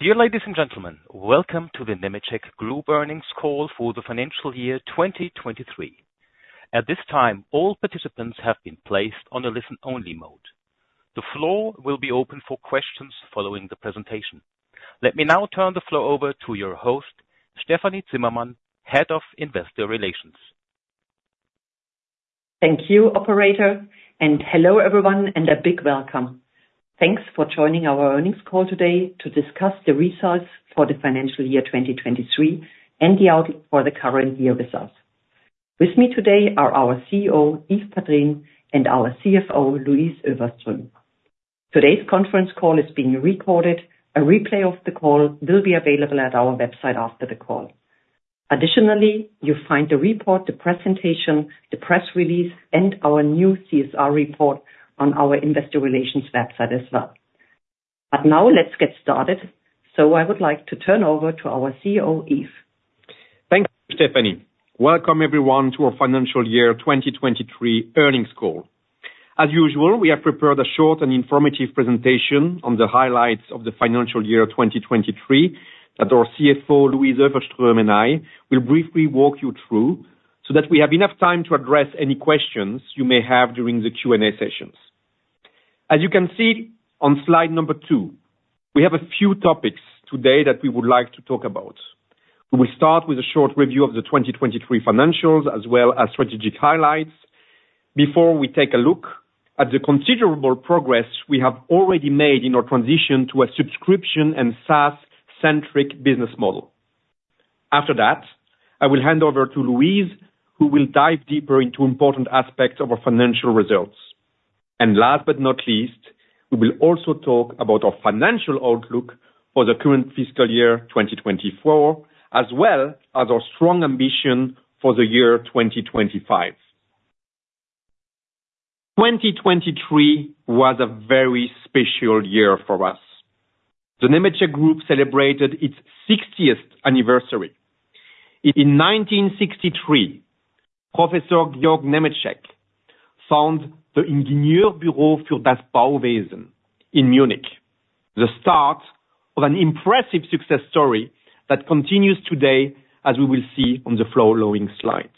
Dear ladies and gentlemen, welcome to the Nemetschek earnings call for the financial year 2023. At this time, all participants have been placed on a listen-only mode. The floor will be open for questions following the presentation. Let me now turn the floor over to your host, Stefanie Zimmermann, Head of Investor Relations. Thank you, Operator, and hello everyone, and a big welcome. Thanks for joining our earnings call today to discuss the results for the financial year 2023 and the outlook for the current year results. With me today are our CEO, Yves Padrines, and our CFO, Louise Öfverström. Today's conference call is being recorded. A replay of the call will be available at our website after the call. Additionally, you'll find the report, the presentation, the press release, and our new CSR Report on our Investor Relations website as well. Now let's get started, so I would like to turn over to our CEO, Yves. Thanks, Stefanie. Welcome everyone to our financial year 2023 earnings call. As usual, we have prepared a short and informative presentation on the highlights of the financial year 2023 that our CFO, Louise Öfverström, and I will briefly walk you through so that we have enough time to address any questions you may have during the Q&A sessions. As you can see on slide number two, we have a few topics today that we would like to talk about. We will start with a short review of the 2023 financials as well as strategic highlights before we take a look at the considerable progress we have already made in our transition to a subscription and SaaS-centric business model. After that, I will hand over to Louise, who will dive deeper into important aspects of our financial results. Last but not least, we will also talk about our financial outlook for the current fiscal year 2024, as well as our strong ambition for the year 2025. 2023 was a very special year for us. The Nemetschek Group celebrated its 60th anniversary. In 1963, Professor Georg Nemetschek founded the Ingenieurbüro für das Bauwesen in Munich, the start of an impressive success story that continues today, as we will see on the following slides.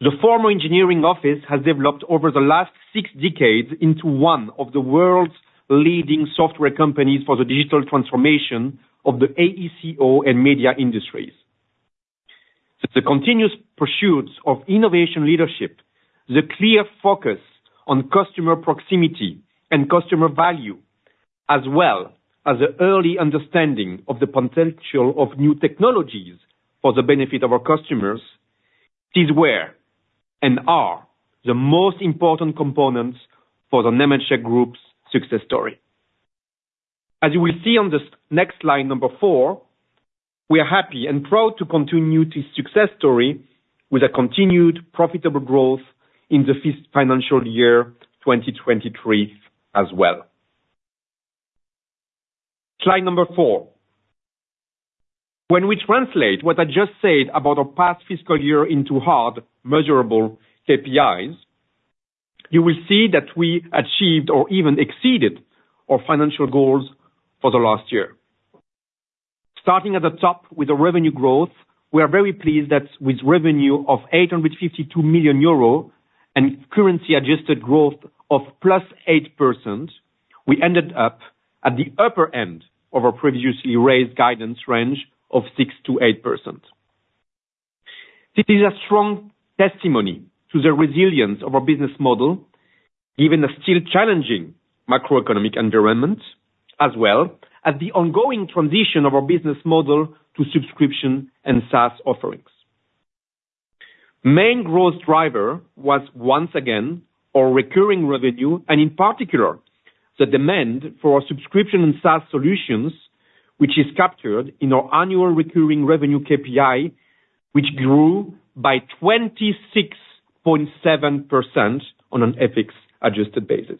The former engineering office has developed over the last six decades into one of the world's leading software companies for the digital transformation of the AECO and media industries. The continuous pursuits of innovation leadership, the clear focus on customer proximity and customer value, as well as the early understanding of the potential of new technologies for the benefit of our customers, these were and are the most important components for the Nemetschek Group's success story. As you will see on the next slide, number four, we are happy and proud to continue this success story with a continued profitable growth in the financial year 2023 as well. Slide number four. When we translate what I just said about our past fiscal year into hard, measurable KPIs, you will see that we achieved or even exceeded our financial goals for the last year. Starting at the top with the revenue growth, we are very pleased that with revenue of 852 million euro and currency-adjusted growth of +8%, we ended up at the upper end of our previously raised guidance range of 6%-8%. This is a strong testimony to the resilience of our business model given the still challenging macroeconomic environment, as well as the ongoing transition of our business model to subscription and SaaS offerings. Main growth driver was once again our recurring revenue, and in particular, the demand for our subscription and SaaS solutions, which is captured in our annual recurring revenue KPI, which grew by 26.7% on an FX-adjusted basis.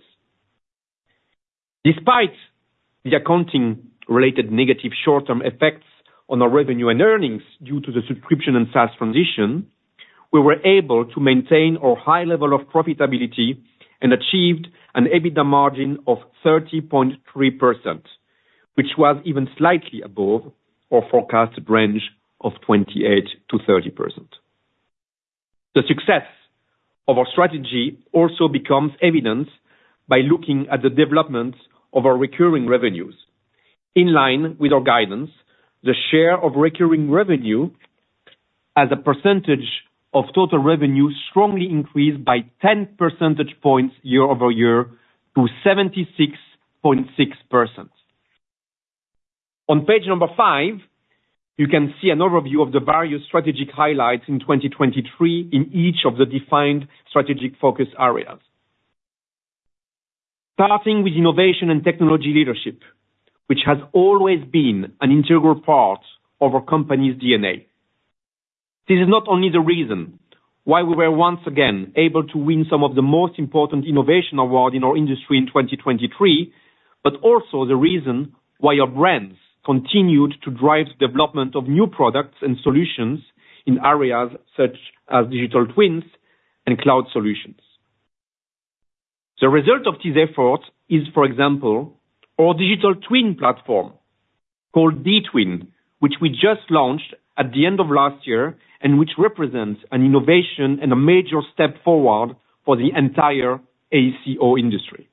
Despite the accounting-related negative short-term effects on our revenue and earnings due to the subscription and SaaS transition, we were able to maintain our high level of profitability and achieved an EBITDA margin of 30.3%, which was even slightly above our forecasted range of 28%-30%. The success of our strategy also becomes evident by looking at the development of our recurring revenues. In line with our guidance, the share of recurring revenue as a percentage of total revenue strongly increased by 10 percentage points year-over-year to 76.6%. On page number five, you can see an overview of the various strategic highlights in 2023 in each of the defined strategic focus areas. Starting with innovation and technology leadership, which has always been an integral part of our company's DNA. This is not only the reason why we were once again able to win some of the most important innovation awards in our industry in 2023, but also the reason why our brands continued to drive the development of new products and solutions in areas such as digital twins and cloud solutions. The result of these efforts is, for example, our digital twin platform called dTwin, which we just launched at the end of last year and which represents an innovation and a major step forward for the entire AECO industry.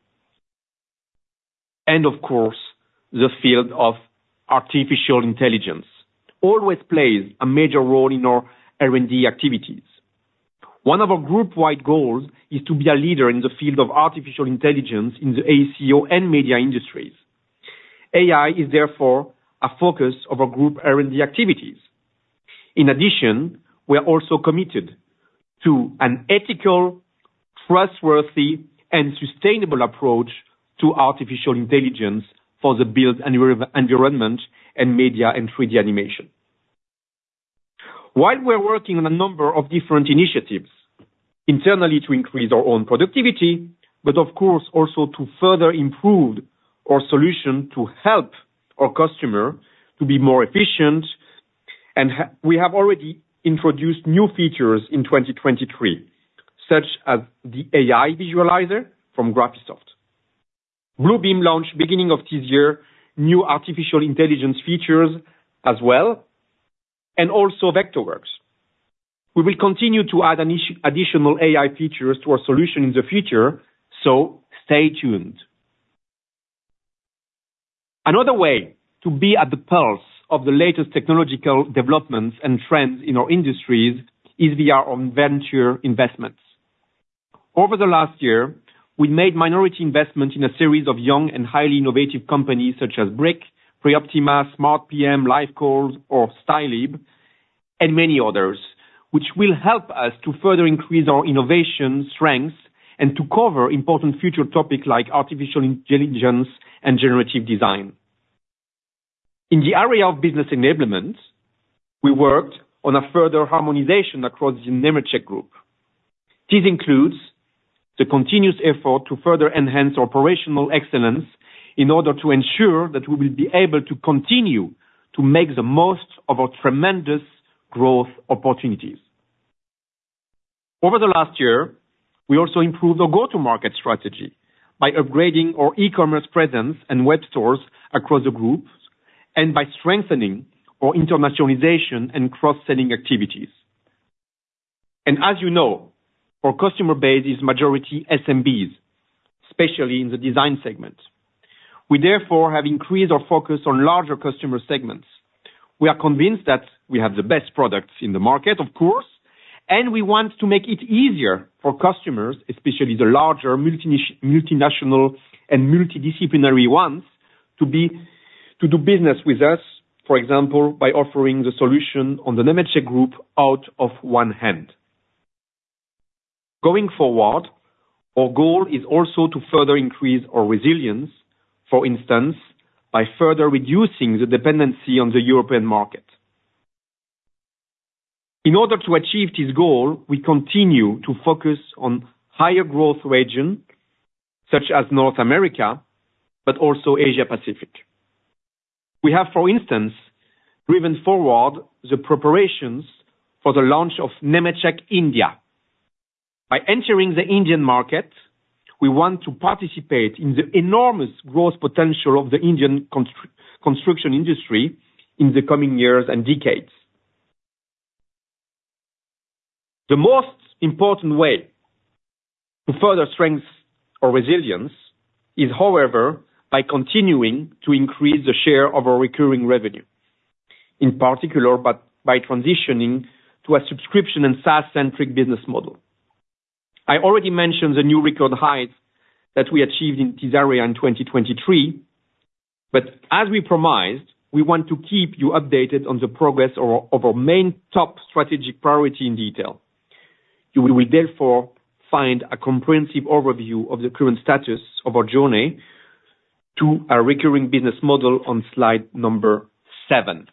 And of course, the field of artificial intelligence always plays a major role in our R&D activities. One of our group-wide goals is to be a leader in the field of artificial intelligence in the AECO and media industries. AI is therefore a focus of our group R&D activities. In addition, we are also committed to an ethical, trustworthy, and sustainable approach to artificial intelligence for the built environment and media and 3D animation. While we are working on a number of different initiatives internally to increase our own productivity, but of course also to further improve our solution to help our customer to be more efficient, we have already introduced new features in 2023, such as the AI Visualizer from Graphisoft. Bluebeam launched beginning of this year new artificial intelligence features as well, and also Vectorworks. We will continue to add additional AI features to our solution in the future, so stay tuned. Another way to be at the pulse of the latest technological developments and trends in our industries is via our venture investments. Over the last year, we made minority investments in a series of young and highly innovative companies such as Briq, Preoptima, SmartPM, LiveCosts, or Stylib, and many others, which will help us to further increase our innovation strengths and to cover important future topics like artificial intelligence and generative design. In the area of business enablement, we worked on a further harmonization across the Nemetschek Group. This includes the continuous effort to further enhance operational excellence in order to ensure that we will be able to continue to make the most of our tremendous growth opportunities. Over the last year, we also improved our go-to-market strategy by upgrading our e-commerce presence and web stores across the group and by strengthening our internationalization and cross-selling activities. And as you know, our customer base is majority SMBs, especially in the design segment. We therefore have increased our focus on larger customer segments. We are convinced that we have the best products in the market, of course, and we want to make it easier for customers, especially the larger multinational and multidisciplinary ones, to do business with us, for example, by offering the solution on the Nemetschek Group out of one hand. Going forward, our goal is also to further increase our resilience, for instance, by further reducing the dependency on the European market. In order to achieve this goal, we continue to focus on higher growth regions such as North America, but also Asia-Pacific. We have, for instance, driven forward the preparations for the launch of Nemetschek India. By entering the Indian market, we want to participate in the enormous growth potential of the Indian construction industry in the coming years and decades. The most important way to further strengthen our resilience is, however, by continuing to increase the share of our recurring revenue, in particular by transitioning to a subscription and SaaS-centric business model. I already mentioned the new record highs that we achieved in this area in 2023, but as we promised, we want to keep you updated on the progress of our main top strategic priority in detail. You will therefore find a comprehensive overview of the current status of our journey to our recurring business model on slide number seven.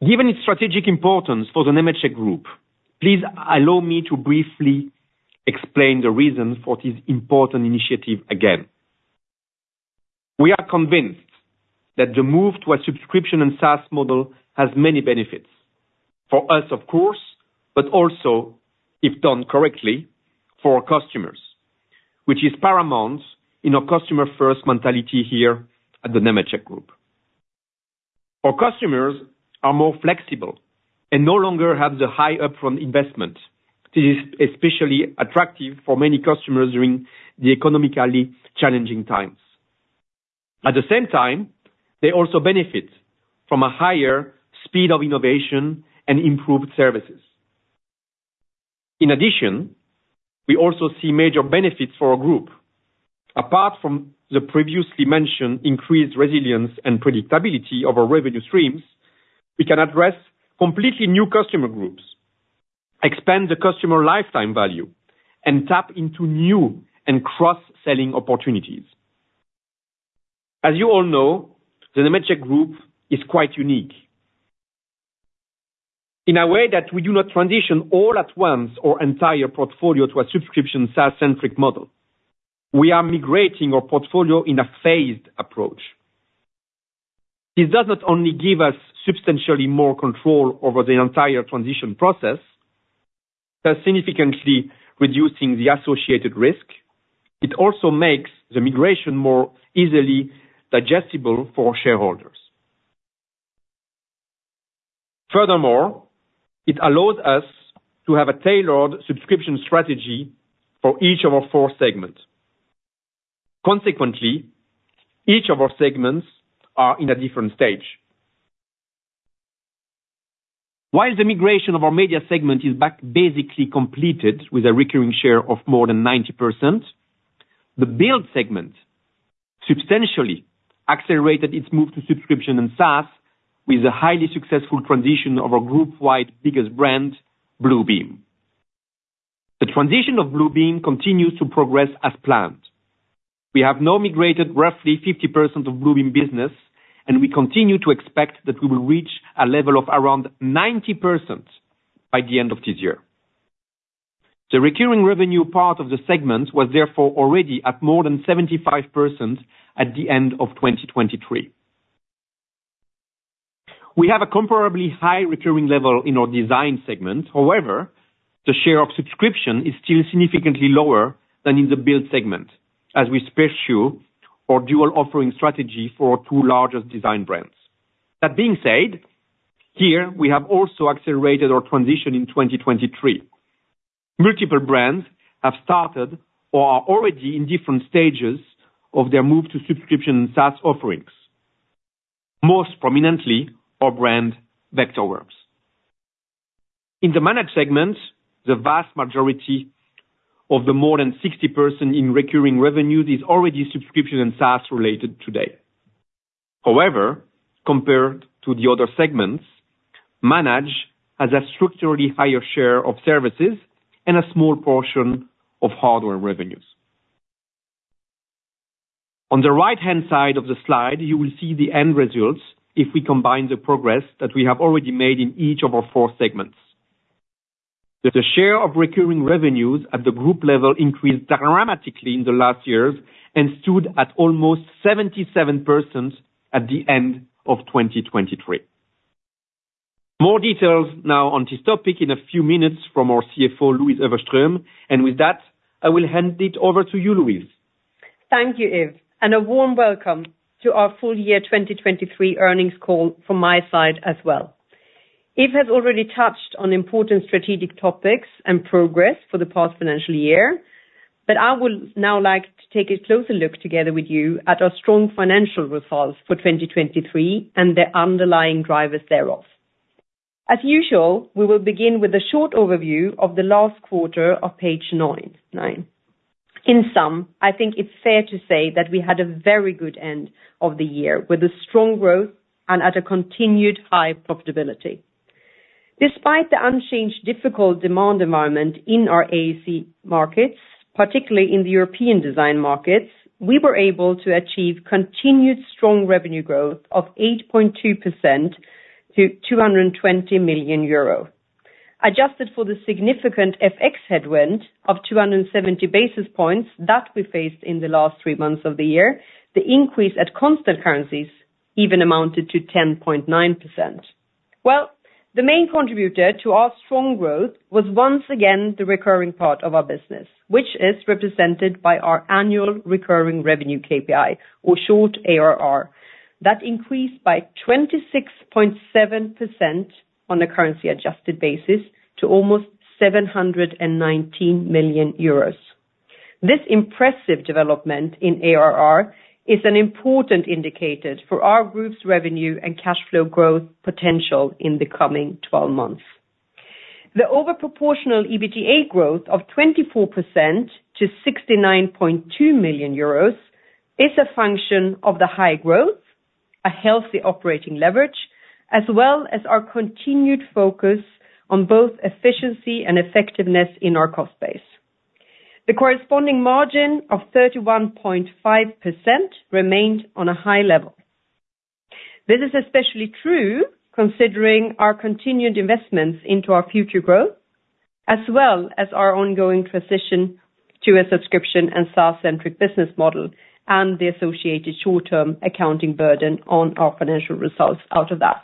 Given its strategic importance for the Nemetschek Group, please allow me to briefly explain the reason for this important initiative again. We are convinced that the move to a subscription and SaaS model has many benefits for us, of course, but also, if done correctly, for our customers, which is paramount in our customer-first mentality here at the Nemetschek Group. Our customers are more flexible and no longer have the high upfront investment. This is especially attractive for many customers during the economically challenging times. At the same time, they also benefit from a higher speed of innovation and improved services. In addition, we also see major benefits for our group. Apart from the previously mentioned increased resilience and predictability of our revenue streams, we can address completely new customer groups, expand the customer lifetime value, and tap into new and cross-selling opportunities. As you all know, the Nemetschek Group is quite unique in a way that we do not transition all at once our entire portfolio to a subscription SaaS-centric model. We are migrating our portfolio in a phased approach. This does not only give us substantially more control over the entire transition process by significantly reducing the associated risk, it also makes the migration more easily digestible for shareholders. Furthermore, it allows us to have a tailored subscription strategy for each of our four segments. Consequently, each of our segments are in a different stage. While the migration of our media segment is basically completed with a recurring share of more than 90%, the build segment substantially accelerated its move to subscription and SaaS with the highly successful transition of our group-wide biggest brand, Bluebeam. The transition of Bluebeam continues to progress as planned. We have now migrated roughly 50% of Bluebeam business, and we continue to expect that we will reach a level of around 90% by the end of this year. The recurring revenue part of the segment was therefore already at more than 75% at the end of 2023. We have a comparably high recurring level in our design segment. However, the share of subscription is still significantly lower than in the build segment, as we specialize in our dual offering strategy for our two largest design brands. That being said, here, we have also accelerated our transition in 2023. Multiple brands have started or are already in different stages of their move to subscription and SaaS offerings. Most prominently, our brand Vectorworks. In the managed segment, the vast majority of the more than 60% in recurring revenues is already subscription and SaaS-related today. However, compared to the other segments, managed has a structurally higher share of services and a small portion of hardware revenues. On the right-hand side of the slide, you will see the end results if we combine the progress that we have already made in each of our four segments. The share of recurring revenues at the group level increased dramatically in the last years and stood at almost 77% at the end of 2023. More details now on this topic in a few minutes from our CFO, Louise Öfverström. And with that, I will hand it over to you, Louise. Thank you, Yves. A warm welcome to our full year 2023 earnings call from my side as well. Yves has already touched on important strategic topics and progress for the past financial year, but I would now like to take a closer look together with you at our strong financial results for 2023 and the underlying drivers thereof. As usual, we will begin with a short overview of the last quarter of page nine. In sum, I think it's fair to say that we had a very good end of the year with a strong growth and at a continued high profitability. Despite the unchanged difficult demand environment in our AEC markets, particularly in the European design markets, we were able to achieve continued strong revenue growth of 8.2%-EUR 220 million. Adjusted for the significant FX headwind of 270 basis points that we faced in the last three months of the year, the increase at constant currencies even amounted to 10.9%. Well, the main contributor to our strong growth was once again the recurring part of our business, which is represented by our annual recurring revenue KPI, or short ARR, that increased by 26.7% on a currency-adjusted basis to almost 719 million euros. This impressive development in ARR is an important indicator for our group's revenue and cash flow growth potential in the coming 12 months. The overproportional EBITDA growth of 24%-EUR 69.2 million is a function of the high growth, a healthy operating leverage, as well as our continued focus on both efficiency and effectiveness in our cost base. The corresponding margin of 31.5% remained on a high level. This is especially true considering our continued investments into our future growth, as well as our ongoing transition to a subscription and SaaS-centric business model and the associated short-term accounting burden on our financial results out of that.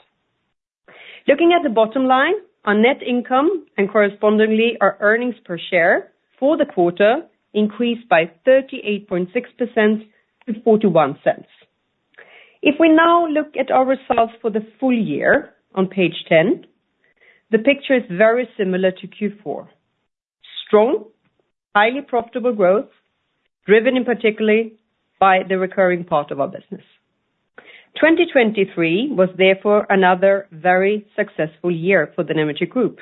Looking at the bottom line, our net income and correspondingly our earnings per share for the quarter increased by 38.6%-EUR 0.41. If we now look at our results for the full year on page 10, the picture is very similar to Q4: strong, highly profitable growth driven, in particular, by the recurring part of our business. 2023 was therefore another very successful year for the Nemetschek Group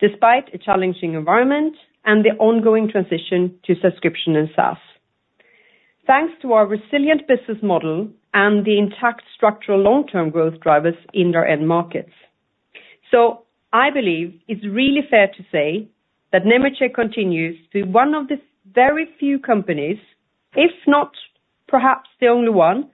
despite a challenging environment and the ongoing transition to subscription and SaaS, thanks to our resilient business model and the intact structural long-term growth drivers in our end markets. I believe it's really fair to say that Nemetschek continues to be one of the very few companies, if not perhaps the only one,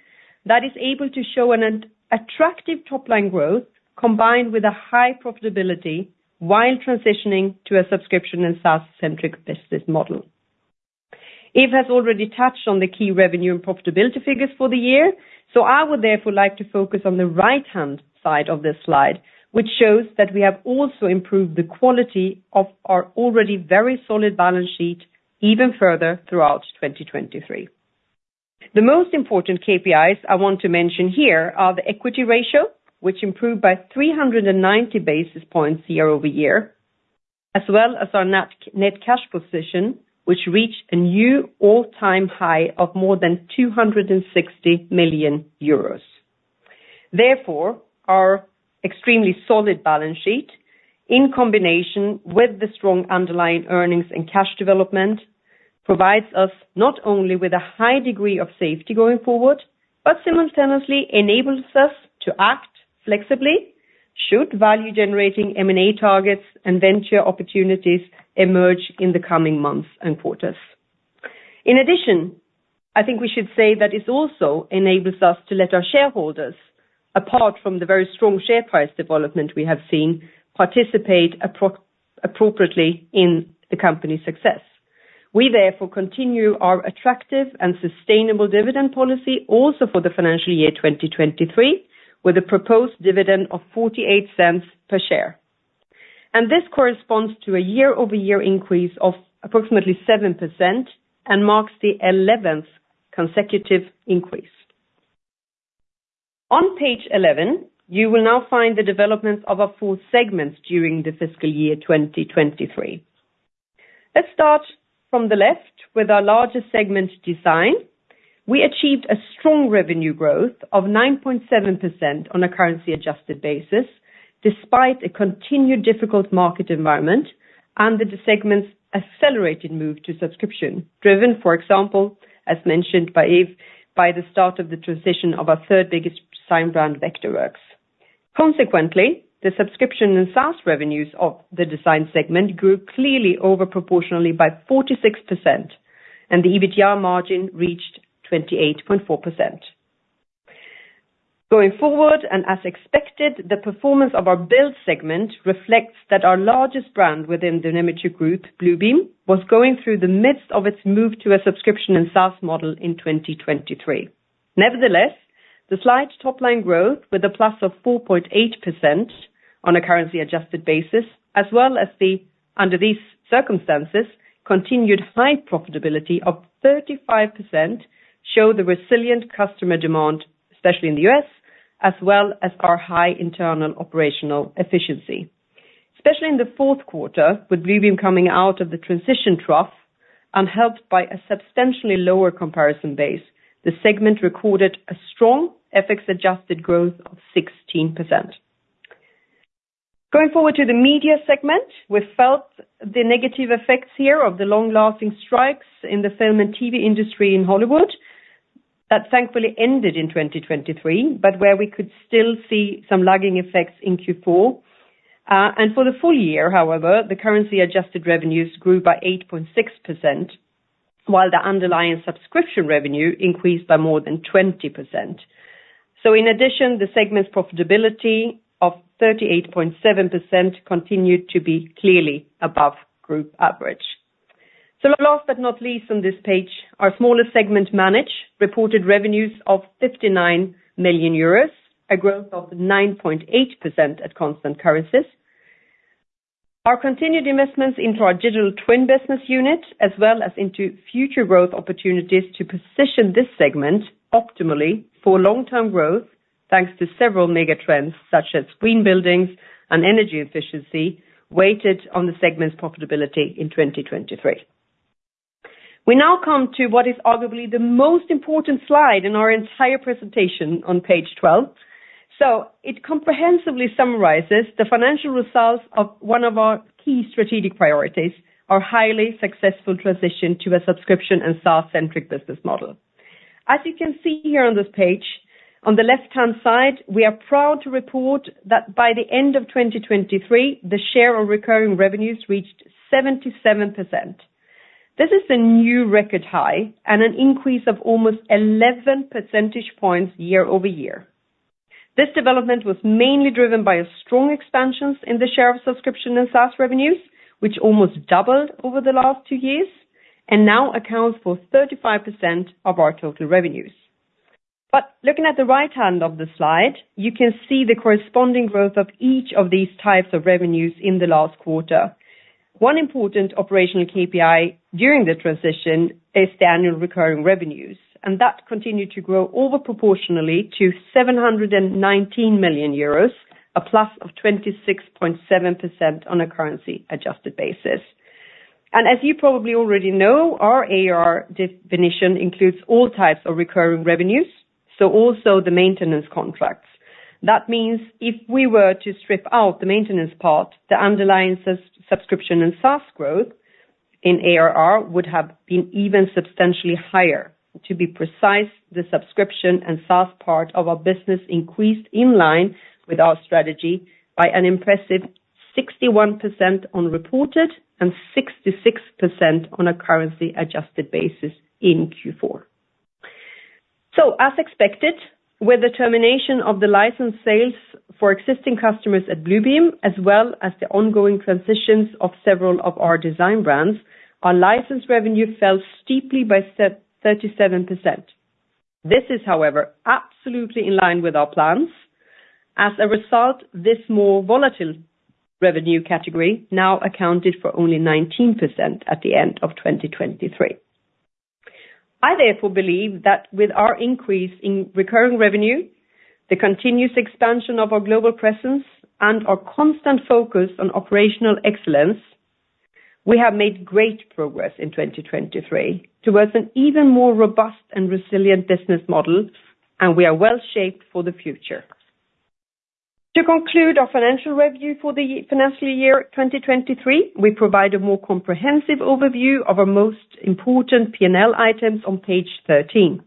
that is able to show an attractive top-line growth combined with a high profitability while transitioning to a subscription and SaaS-centric business model. Yves has already touched on the key revenue and profitability figures for the year, so I would therefore like to focus on the right-hand side of this slide, which shows that we have also improved the quality of our already very solid balance sheet even further throughout 2023. The most important KPIs I want to mention here are the equity ratio, which improved by 390 basis points year-over-year, as well as our net cash position, which reached a new all-time high of more than 260 million euros. Therefore, our extremely solid balance sheet, in combination with the strong underlying earnings and cash development, provides us not only with a high degree of safety going forward, but simultaneously enables us to act flexibly should value-generating M&A targets and venture opportunities emerge in the coming months and quarters. In addition, I think we should say that this also enables us to let our shareholders, apart from the very strong share price development we have seen, participate appropriately in the company's success. We therefore continue our attractive and sustainable dividend policy also for the financial year 2023 with a proposed dividend of 0.48 per share. This corresponds to a year-over-year increase of approximately 7% and marks the 11th consecutive increase. On page 11, you will now find the developments of our four segments during the fiscal year 2023. Let's start from the left with our largest segment design. We achieved a strong revenue growth of 9.7% on a currency-adjusted basis despite a continued difficult market environment and the segment's accelerated move to subscription driven, for example, as mentioned by Yves, by the start of the transition of our third biggest design brand, Vectorworks. Consequently, the subscription and SaaS revenues of the design segment grew clearly overproportionally by 46%, and the EBITDA margin reached 28.4%. Going forward, and as expected, the performance of our build segment reflects that our largest brand within the Nemetschek Group, Bluebeam, was going through the midst of its move to a subscription and SaaS model in 2023. Nevertheless, the slight top-line growth with a plus of 4.8% on a currency-adjusted basis, as well as the, under these circumstances, continued high profitability of 35%, show the resilient customer demand, especially in the US, as well as our high internal operational efficiency. Especially in the fourth quarter, with Bluebeam coming out of the transition trough and helped by a substantially lower comparison base, the segment recorded a strong FX-adjusted growth of 16%. Going forward to the media segment, we felt the negative effects here of the long-lasting strikes in the film and TV industry in Hollywood that thankfully ended in 2023, but where we could still see some lagging effects in Q4. And for the full year, however, the currency-adjusted revenues grew by 8.6%, while the underlying subscription revenue increased by more than 20%. So, in addition, the segment's profitability of 38.7% continued to be clearly above group average. So last but not least on this page, our smallest segment, managed, reported revenues of 59 million euros, a growth of 9.8% at constant currencies. Our continued investments into our digital twin business unit, as well as into future growth opportunities to position this segment optimally for long-term growth thanks to several megatrends such as green buildings and energy efficiency, weighed on the segment's profitability in 2023. We now come to what is arguably the most important slide in our entire presentation on page 12. So it comprehensively summarizes the financial results of one of our key strategic priorities, our highly successful transition to a subscription and SaaS-centric business model. As you can see here on this page, on the left-hand side, we are proud to report that by the end of 2023, the share of recurring revenues reached 77%. This is a new record high and an increase of almost 11 percentage points year-over-year. This development was mainly driven by a strong expansion in the share of subscription and SaaS revenues, which almost doubled over the last two years and now accounts for 35% of our total revenues. But looking at the right-hand of the slide, you can see the corresponding growth of each of these types of revenues in the last quarter. One important operational KPI during the transition is the annual recurring revenues, and that continued to grow over proportionally to 719 million euros, +26.7% on a currency-adjusted basis. And as you probably already know, our AR definition includes all types of recurring revenues, so also the maintenance contracts. That means if we were to strip out the maintenance part, the underlying subscription and SaaS growth in ARR would have been even substantially higher. To be precise, the subscription and SaaS part of our business increased in line with our strategy by an impressive 61% on reported and 66% on a currency-adjusted basis in Q4. So as expected, with the termination of the license sales for existing customers at Bluebeam, as well as the ongoing transitions of several of our design brands, our license revenue fell steeply by 37%. This is, however, absolutely in line with our plans. As a result, this more volatile revenue category now accounted for only 19% at the end of 2023. I therefore believe that with our increase in recurring revenue, the continuous expansion of our global presence, and our constant focus on operational excellence, we have made great progress in 2023 towards an even more robust and resilient business model, and we are well shaped for the future. To conclude our financial review for the financial year 2023, we provide a more comprehensive overview of our most important P&L items on page 13.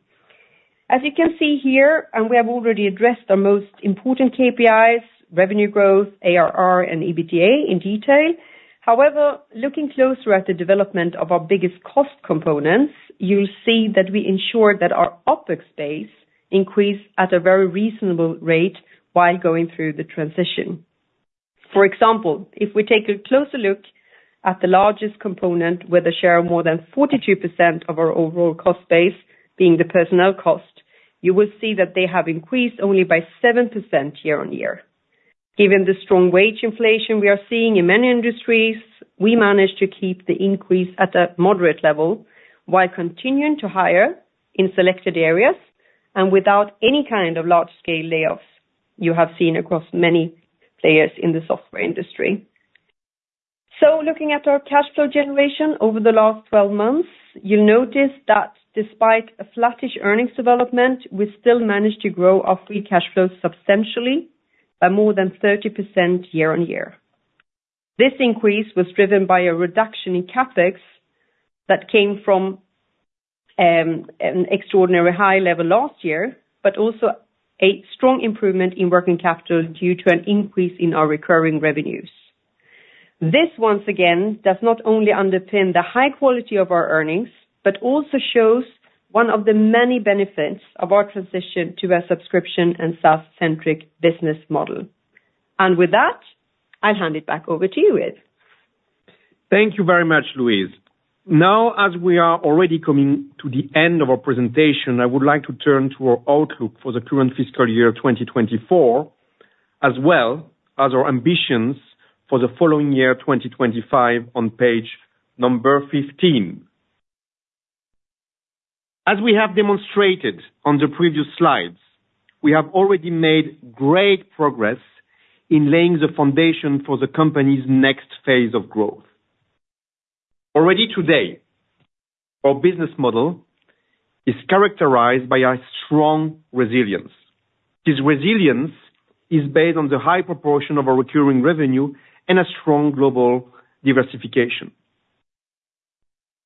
As you can see here, and we have already addressed our most important KPIs, revenue growth, ARR, and EBITDA in detail. However, looking closer at the development of our biggest cost components, you'll see that we ensured that our OpEx base increased at a very reasonable rate while going through the transition. For example, if we take a closer look at the largest component with a share of more than 42% of our overall cost base, being the personnel cost, you will see that they have increased only by 7% year-on-year. Given the strong wage inflation we are seeing in many industries, we managed to keep the increase at a moderate level while continuing to hire in selected areas and without any kind of large-scale layoffs you have seen across many players in the software industry. So looking at our cash flow generation over the last 12 months, you'll notice that despite a flattish earnings development, we still managed to grow our free cash flow substantially by more than 30% year-on-year. This increase was driven by a reduction in CapEx that came from an extraordinary high level last year, but also a strong improvement in working capital due to an increase in our recurring revenues. This, once again, does not only underpin the high quality of our earnings but also shows one of the many benefits of our transition to a subscription and SaaS-centric business model. With that, I'll hand it back over to you, Yves. Thank you very much, Louise. Now, as we are already coming to the end of our presentation, I would like to turn to our outlook for the current fiscal year 2024, as well as our ambitions for the following year 2025 on page 15. As we have demonstrated on the previous slides, we have already made great progress in laying the foundation for the company's next phase of growth. Already today, our business model is characterized by a strong resilience. This resilience is based on the high proportion of our recurring revenue and a strong global diversification.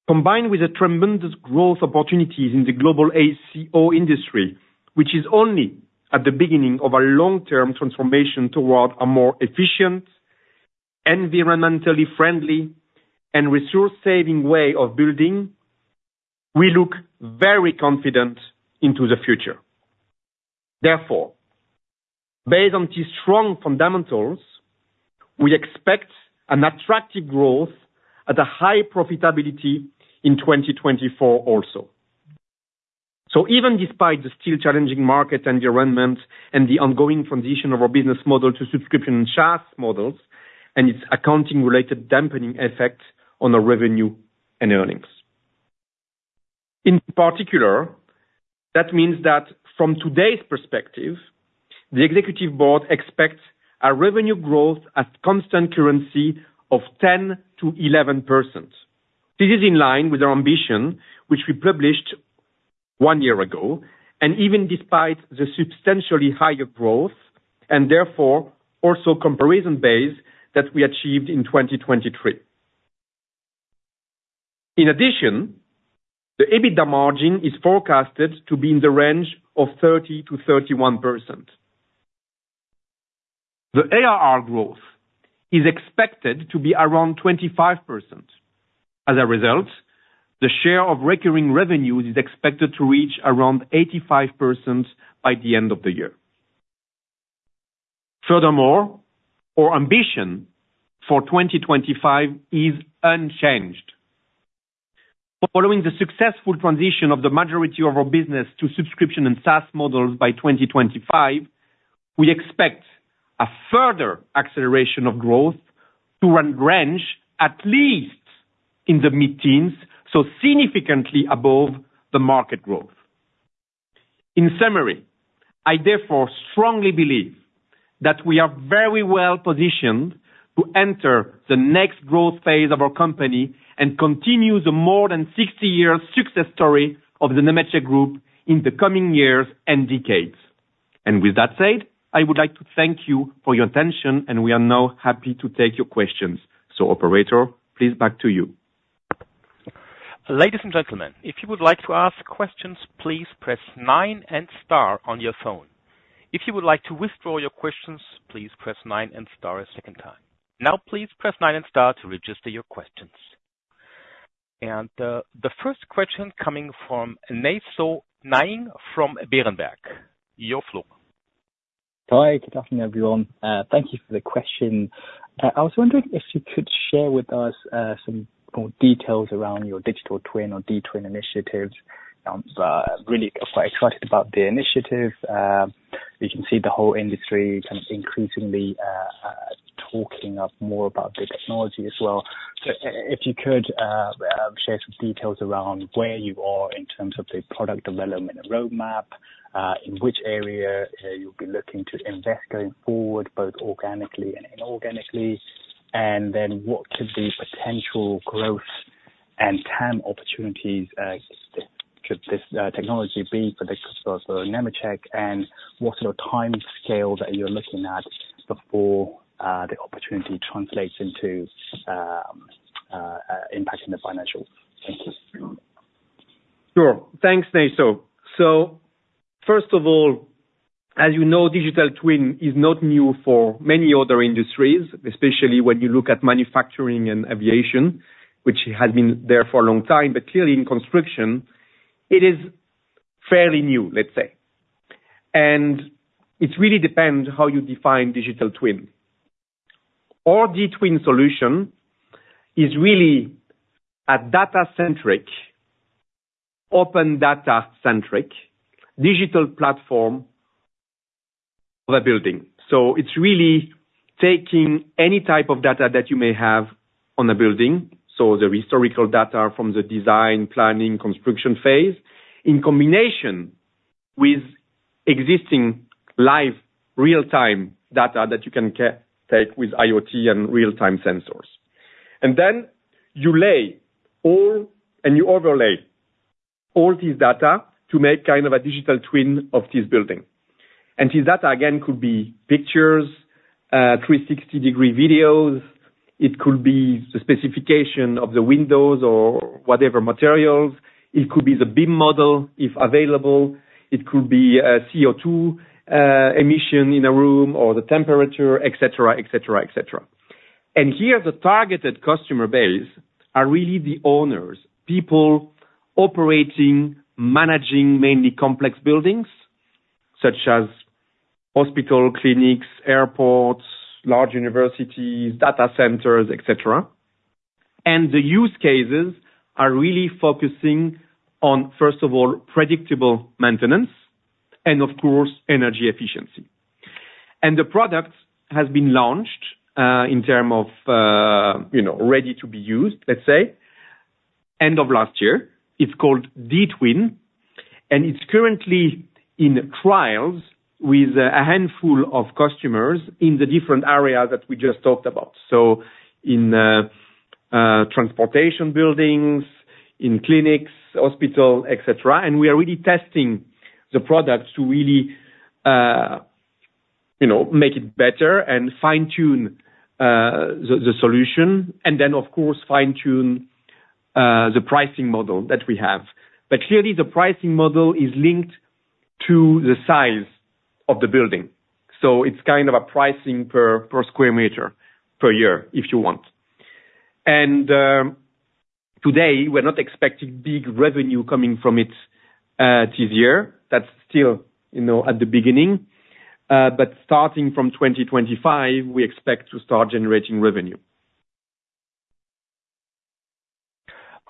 Combined with the tremendous growth opportunities in the global AECO industry, which is only at the beginning of a long-term transformation toward a more efficient, environmentally friendly, and resource-saving way of building, we look very confident into the future. Therefore, based on these strong fundamentals, we expect an attractive growth at a high profitability in 2024 also. So even despite the still challenging market environment and the ongoing transition of our business model to subscription and SaaS models and its accounting-related dampening effect on our revenue and earnings. In particular, that means that from today's perspective, the executive board expects a revenue growth at constant currency of 10%-11%. This is in line with our ambition, which we published one year ago, and even despite the substantially higher growth and therefore also comparison base that we achieved in 2023. In addition, the EBITDA margin is forecasted to be in the range of 30%-31%. The ARR growth is expected to be around 25%. As a result, the share of recurring revenues is expected to reach around 85% by the end of the year. Furthermore, our ambition for 2025 is unchanged. Following the successful transition of the majority of our business to subscription and SaaS models by 2025, we expect a further acceleration of growth to range, at least in the mid-teens, so significantly above the market growth. In summary, I therefore strongly believe that we are very well positioned to enter the next growth phase of our company and continue the more than 60-year success story of the Nemetschek Group in the coming years and decades. And with that said, I would like to thank you for your attention, and we are now happy to take your questions. Operator, please back to you. Ladies and gentlemen, if you would like to ask questions, please press nine and star on your phone. If you would like to withdraw your questions, please press nine and star a second time. Now, please press nine and star to register your questions. The first question coming from Nay Soe Naing from Berenberg. Your floor. Hi, good afternoon, everyone. Thank you for the question. I was wondering if you could share with us some more details around your digital twin or dTwin initiatives. I'm really quite excited about the initiative. You can see the whole industry kind of increasingly talking up more about the technology as well. So if you could share some details around where you are in terms of the product development roadmap, in which area you'll be looking to invest going forward, both organically and inorganically, and then what could the potential growth and TAM opportunities could this technology be for Nemetschek, and what's your timescale that you're looking at before the opportunity translates into impacting the financials? Thank you. Sure. Thanks, Nay. So first of all, as you know, digital twin is not new for many other industries, especially when you look at manufacturing and aviation, which has been there for a long time, but clearly in construction, it is fairly new, let's say. And it really depends how you define digital twin. Our dTwin solution is really a data-centric, open data-centric digital platform of a building. So it's really taking any type of data that you may have on a building, so the historical data from the design, planning, construction phase, in combination with existing live, real-time data that you can take with IoT and real-time sensors. And then you lay all and you overlay all this data to make kind of a digital twin of this building. And this data, again, could be pictures, 360-degree videos. It could be the specification of the windows or whatever materials. It could be the BIM model, if available. It could be CO2 emission in a room or the temperature, etc., etc., etc. And here, the targeted customer base are really the owners, people operating, managing mainly complex buildings such as hospitals, clinics, airports, large universities, data centers, etc. And the use cases are really focusing on, first of all, predictable maintenance and, of course, energy efficiency. And the product has been launched in terms of ready to be used, let's say, end of last year. It's called dTwin, and it's currently in trials with a handful of customers in the different areas that we just talked about, so in transportation buildings, in clinics, hospitals, etc. And we are really testing the product to really make it better and fine-tune the solution and then, of course, fine-tune the pricing model that we have. Clearly, the pricing model is linked to the size of the building. So it's kind of a pricing per square meter per year, if you want. And today, we're not expecting big revenue coming from it this year. That's still at the beginning. Starting from 2025, we expect to start generating revenue.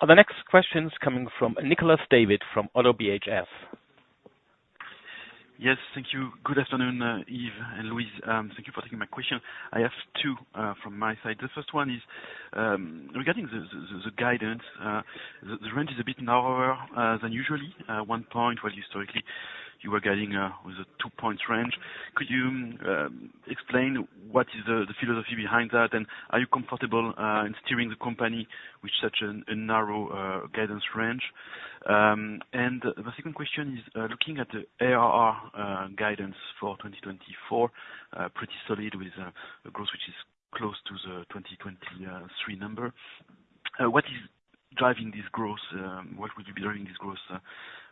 The next question is coming from Nicolas David from ODDO BHF. Yes, thank you. Good afternoon, Yves and Louise. Thank you for taking my question. I have two from my side. The first one is regarding the guidance. The range is a bit narrower than usually. one-point, while historically, you were getting with a two-point range. Could you explain what is the philosophy behind that, and are you comfortable in steering the company with such a narrow guidance range? And the second question is looking at the ARR guidance for 2024, pretty solid with a growth which is close to the 2023 number. What is driving this growth? What would be driving this growth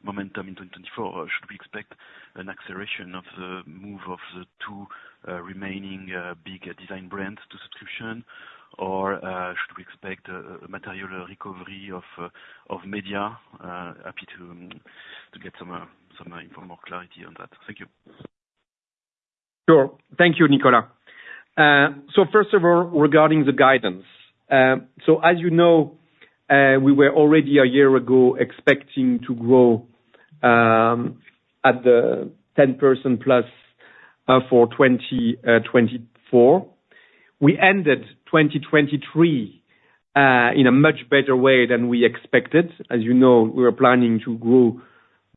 momentum in 2024? Should we expect an acceleration of the move of the two remaining big design brands to subscription, or should we expect a material recovery of media? Happy to get some more clarity on that. Thank you. Sure. Thank you, Nicolas. So first of all, regarding the guidance. So as you know, we were already a year ago expecting to grow at the 10%+ for 2024. We ended 2023 in a much better way than we expected. As you know, we were planning to grow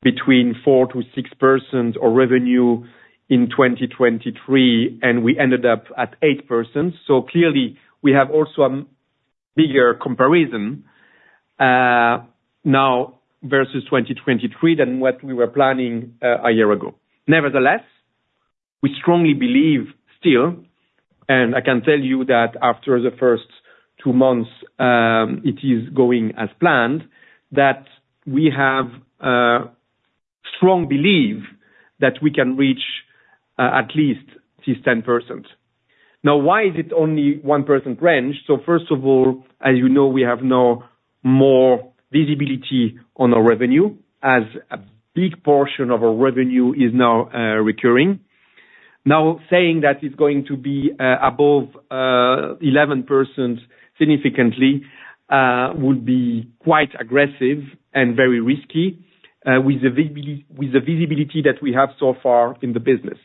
between 4%-6% of revenue in 2023, and we ended up at 8%. So clearly, we have also a bigger comparison now versus 2023 than what we were planning a year ago. Nevertheless, we strongly believe still, and I can tell you that after the first two months, it is going as planned, that we have strong belief that we can reach at least these 10%. Now, why is it only 1% range? So first of all, as you know, we have no more visibility on our revenue as a big portion of our revenue is now recurring. Now, saying that it's going to be above 11% significantly would be quite aggressive and very risky with the visibility that we have so far in the business.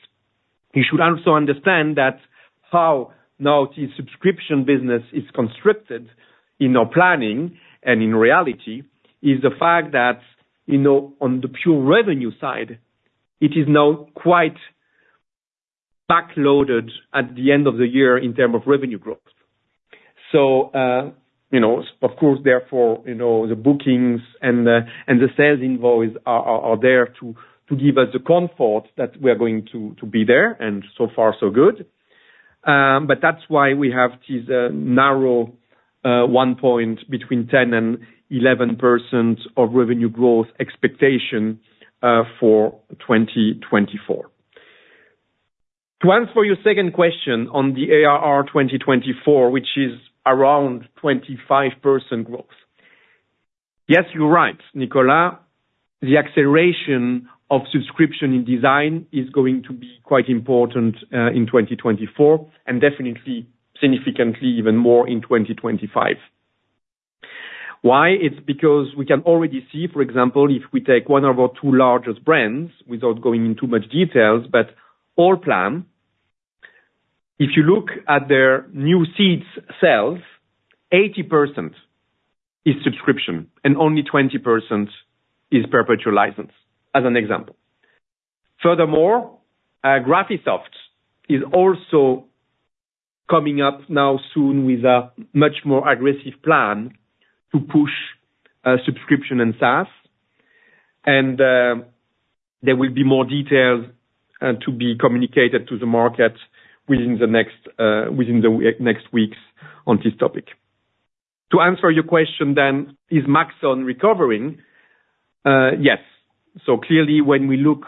You should also understand that how now this subscription business is constructed in our planning and in reality is the fact that on the pure revenue side, it is now quite backloaded at the end of the year in terms of revenue growth. So of course, therefore, the bookings and the sales invoice are there to give us the comfort that we are going to be there, and so far, so good. But that's why we have this narrow one point between 10%-11% of revenue growth expectation for 2024. To answer your second question on the ARR 2024, which is around 25% growth, yes, you're right, Nicolas. The acceleration of subscription in design is going to be quite important in 2024 and definitely significantly even more in 2025. Why? It's because we can already see, for example, if we take one of our two largest brands without going into much details, but Allplan, if you look at their new sales itself, 80% is subscription and only 20% is perpetual license, as an example. Furthermore, Graphisoft is also coming up now soon with a much more aggressive plan to push subscription and SaaS. There will be more details to be communicated to the market within the next weeks on this topic. To answer your question then, is Maxon recovering? Yes. So clearly, when we look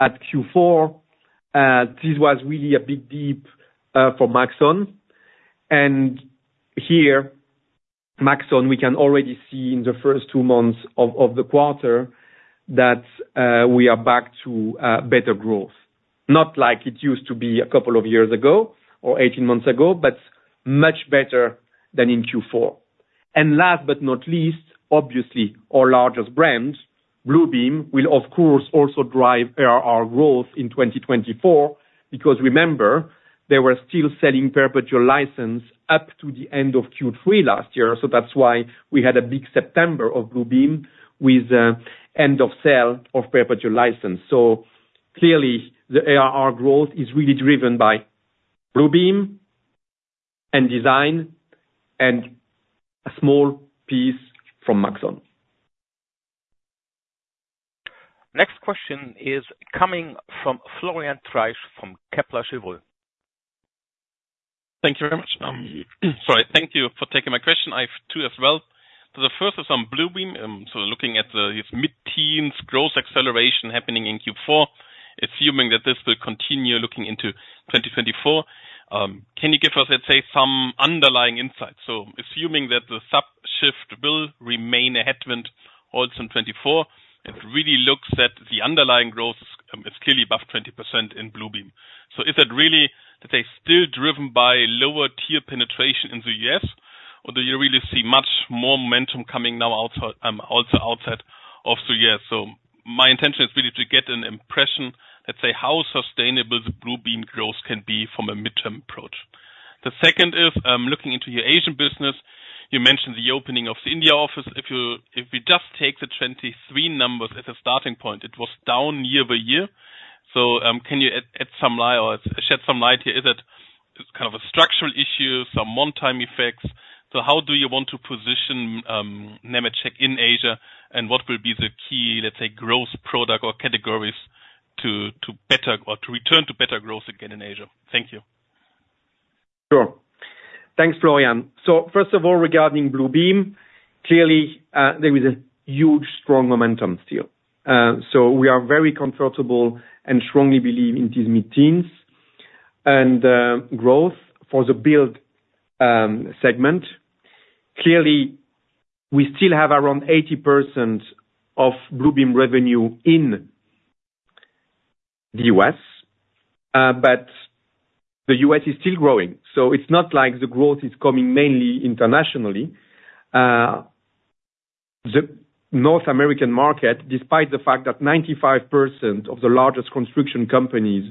at Q4, this was really a big dip for Maxon. And here, Maxon, we can already see in the first two months of the quarter that we are back to better growth, not like it used to be a couple of years ago or 18 months ago, but much better than in Q4. And last but not least, obviously, our largest brand, Bluebeam, will, of course, also drive ARR growth in 2024 because remember, they were still selling perpetual license up to the end of Q3 last year. So that's why we had a big September of Bluebeam with end of sale of perpetual license. So clearly, the ARR growth is really driven by Bluebeam and design and a small piece from Maxon. Next question is coming from Florian Treisch from Kepler Cheuvreux. Thank you very much. Sorry. Thank you for taking my question. I have two as well. So the first is on Bluebeam. So looking at this mid-teens growth acceleration happening in Q4, assuming that this will continue looking into 2024, can you give us, let's say, some underlying insights? So assuming that the sub shift will remain a headwind also in 2024, it really looks that the underlying growth is clearly above 20% in Bluebeam. So is it really, let's say, still driven by lower tier penetration in the U.S., or do you really see much more momentum coming now also outside of the U.S.? So my intention is really to get an impression, let's say, how sustainable the Bluebeam growth can be from a mid-term approach. The second is looking into your Asian business. You mentioned the opening of the India office. If we just take the 2023 numbers as a starting point, it was down year-over-year. So can you add some light or shed some light here? Is it kind of a structural issue, some one-time effects? So how do you want to position Nemetschek in Asia, and what will be the key, let's say, growth product or categories to return to better growth again in Asia? Thank you. Sure. Thanks, Florian. So first of all, regarding Bluebeam, clearly, there is a huge, strong momentum still. So we are very comfortable and strongly believe in these mid-teens and growth for the build segment. Clearly, we still have around 80% of Bluebeam revenue in the US, but the US is still growing. So it's not like the growth is coming mainly internationally. The North American market, despite the fact that 95% of the largest construction companies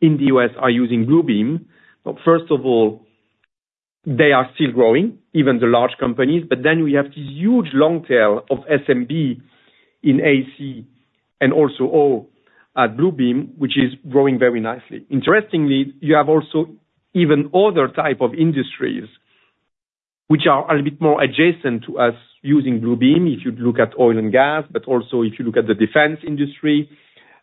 in the US are using Bluebeam, first of all, they are still growing, even the large companies. But then we have this huge long tail of SMB in AEC and also O at Bluebeam, which is growing very nicely. Interestingly, you have also even other types of industries which are a little bit more adjacent to us using Bluebeam, if you look at oil and gas, but also if you look at the defense industry,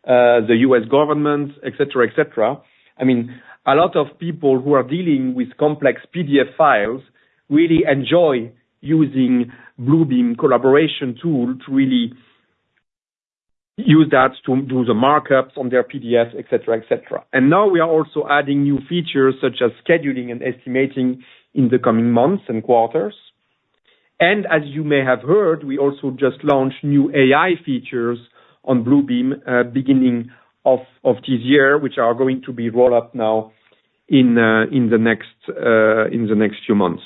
the U.S. government, etc., etc. I mean, a lot of people who are dealing with complex PDF files really enjoy using Bluebeam collaboration tool to really use that to do the markups on their PDFs, etc., etc. And now we are also adding new features such as scheduling and estimating in the coming months and quarters. And as you may have heard, we also just launched new AI features on Bluebeam beginning of this year, which are going to be rolled up now in the next few months.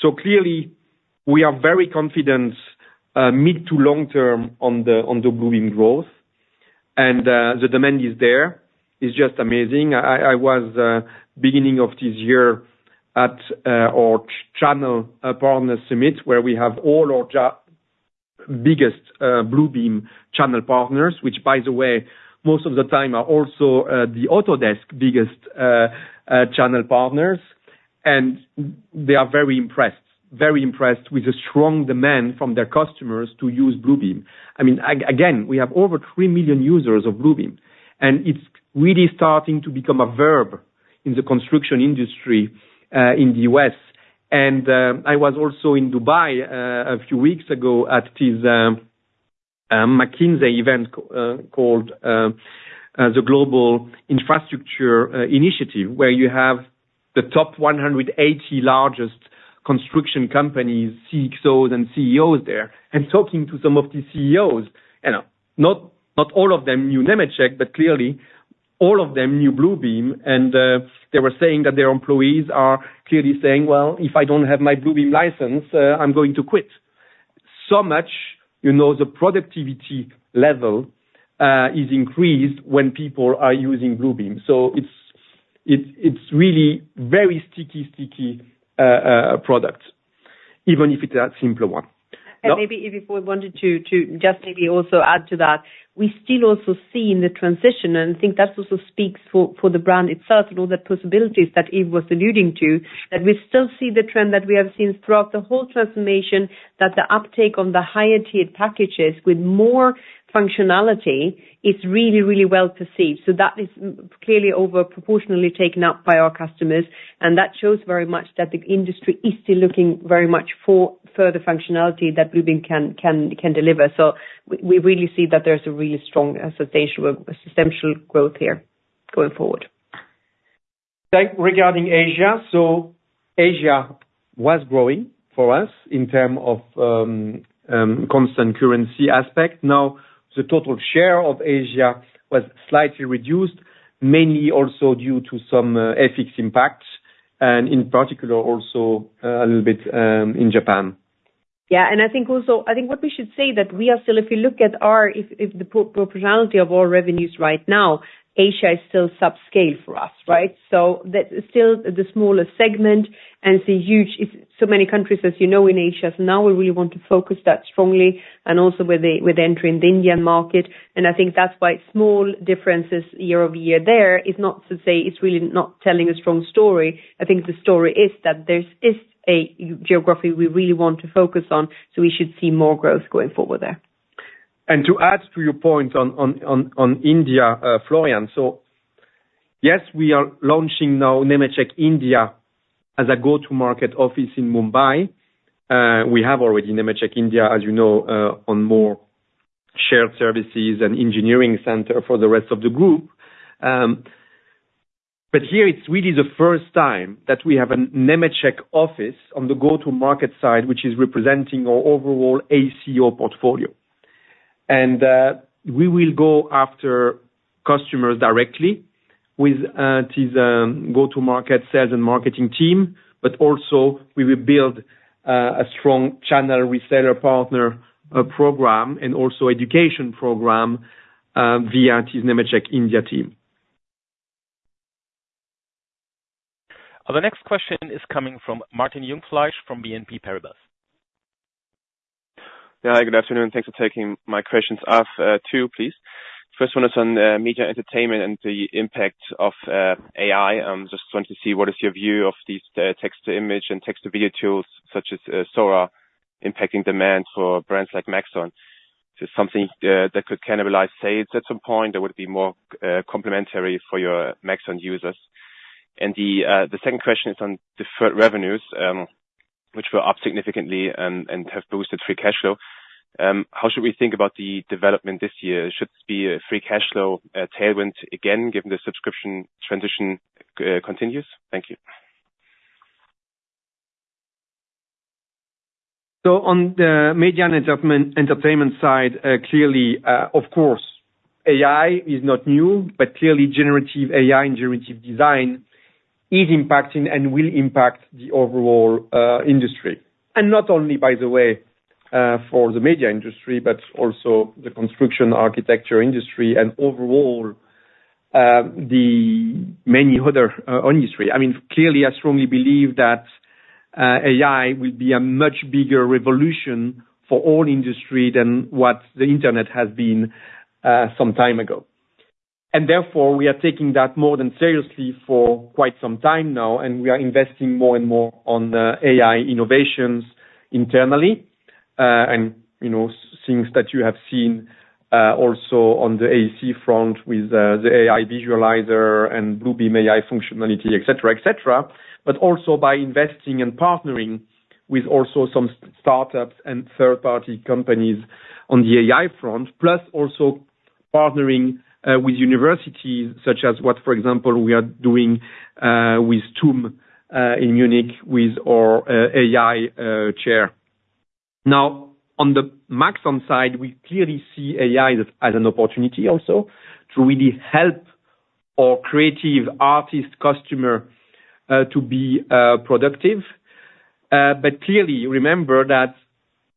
So clearly, we are very confident mid to long-term on the Bluebeam growth, and the demand is there. It's just amazing. It was the beginning of this year at our channel partner summit where we have all our biggest Bluebeam channel partners, which, by the way, most of the time are also the Autodesk biggest channel partners. And they are very impressed, very impressed with the strong demand from their customers to use Bluebeam. I mean, again, we have over 3 million users of Bluebeam, and it's really starting to become a verb in the construction industry in the US. And I was also in Dubai a few weeks ago at this McKinsey event called the Global Infrastructure Initiative, where you have the top 180 largest construction companies, CXOs and CEOs there, and talking to some of these CEOs. Not all of them knew Nemetschek, but clearly, all of them knew Bluebeam. They were saying that their employees are clearly saying, "Well, if I don't have my Bluebeam license, I'm going to quit." So much the productivity level is increased when people are using Bluebeam. So it's really very sticky, sticky product, even if it's a simpler one. And maybe Yves, if we wanted to just maybe also add to that, we still also see in the transition, and I think that also speaks for the brand itself and all the possibilities that Yves was alluding to, that we still see the trend that we have seen throughout the whole transformation, that the uptake on the higher-tiered packages with more functionality is really, really well perceived. So that is clearly overproportionately taken up by our customers. And that shows very much that the industry is still looking very much for further functionality that Bluebeam can deliver. So we really see that there's a really strong association, substantial growth here going forward. Regarding Asia, so Asia was growing for us in terms of constant currency aspect. Now, the total share of Asia was slightly reduced, mainly also due to some FX impacts, and in particular, also a little bit in Japan. Yeah. And I think also I think what we should say that we are still, if you look at the proportionality of all revenues right now, Asia is still subscale for us, right? So still the smallest segment and the huge so many countries, as you know, in Asia. So now we really want to focus that strongly and also with entering the Indian market. And I think that's why small differences year-over-year there is not to say it's really not telling a strong story. I think the story is that there is a geography we really want to focus on, so we should see more growth going forward there. To add to your point on India, Florian, so yes, we are launching now Nemetschek India as a go-to-market office in Mumbai. We have already Nemetschek India, as you know, on more shared services and engineering center for the rest of the group. But here, it's really the first time that we have a Nemetschek office on the go-to-market side, which is representing our overall AECO portfolio. We will go after customers directly with this go-to-market sales and marketing team, but also we will build a strong channel reseller partner program and also education program via this Nemetschek India team. The next question is coming from Martin Jungfleisch from BNP Paribas. Yeah. Good afternoon. Thanks for taking my questions off too, please. First one is on media entertainment and the impact of AI. I just wanted to see, what is your view of these text-to-image and text-to-video tools such as Sora impacting demand for brands like Maxon? Is this something that could cannibalize sales at some point or would it be more complementary for your Maxon users? And the second question is on deferred revenues, which were up significantly and have boosted free cash flow. How should we think about the development this year? Should it be a free cash flow tailwind again, given the subscription transition continues? Thank you. So on the media entertainment side, clearly, of course, AI is not new, but clearly, generative AI and generative design is impacting and will impact the overall industry. And not only, by the way, for the media industry, but also the construction architecture industry and overall the many other industries. I mean, clearly, I strongly believe that AI will be a much bigger revolution for all industries than what the internet has been some time ago. And therefore, we are taking that more than seriously for quite some time now, and we are investing more and more on AI innovations internally and things that you have seen also on the AECO front with the AI Visualizer and Bluebeam AI functionality, etc., etc., but also by investing and partnering with also some startups and third-party companies on the AI front, plus also partnering with universities such as what, for example, we are doing with TUM in Munich with our AI chair. Now, on the Maxon side, we clearly see AI as an opportunity also to really help our creative artist customer to be productive. But clearly, remember that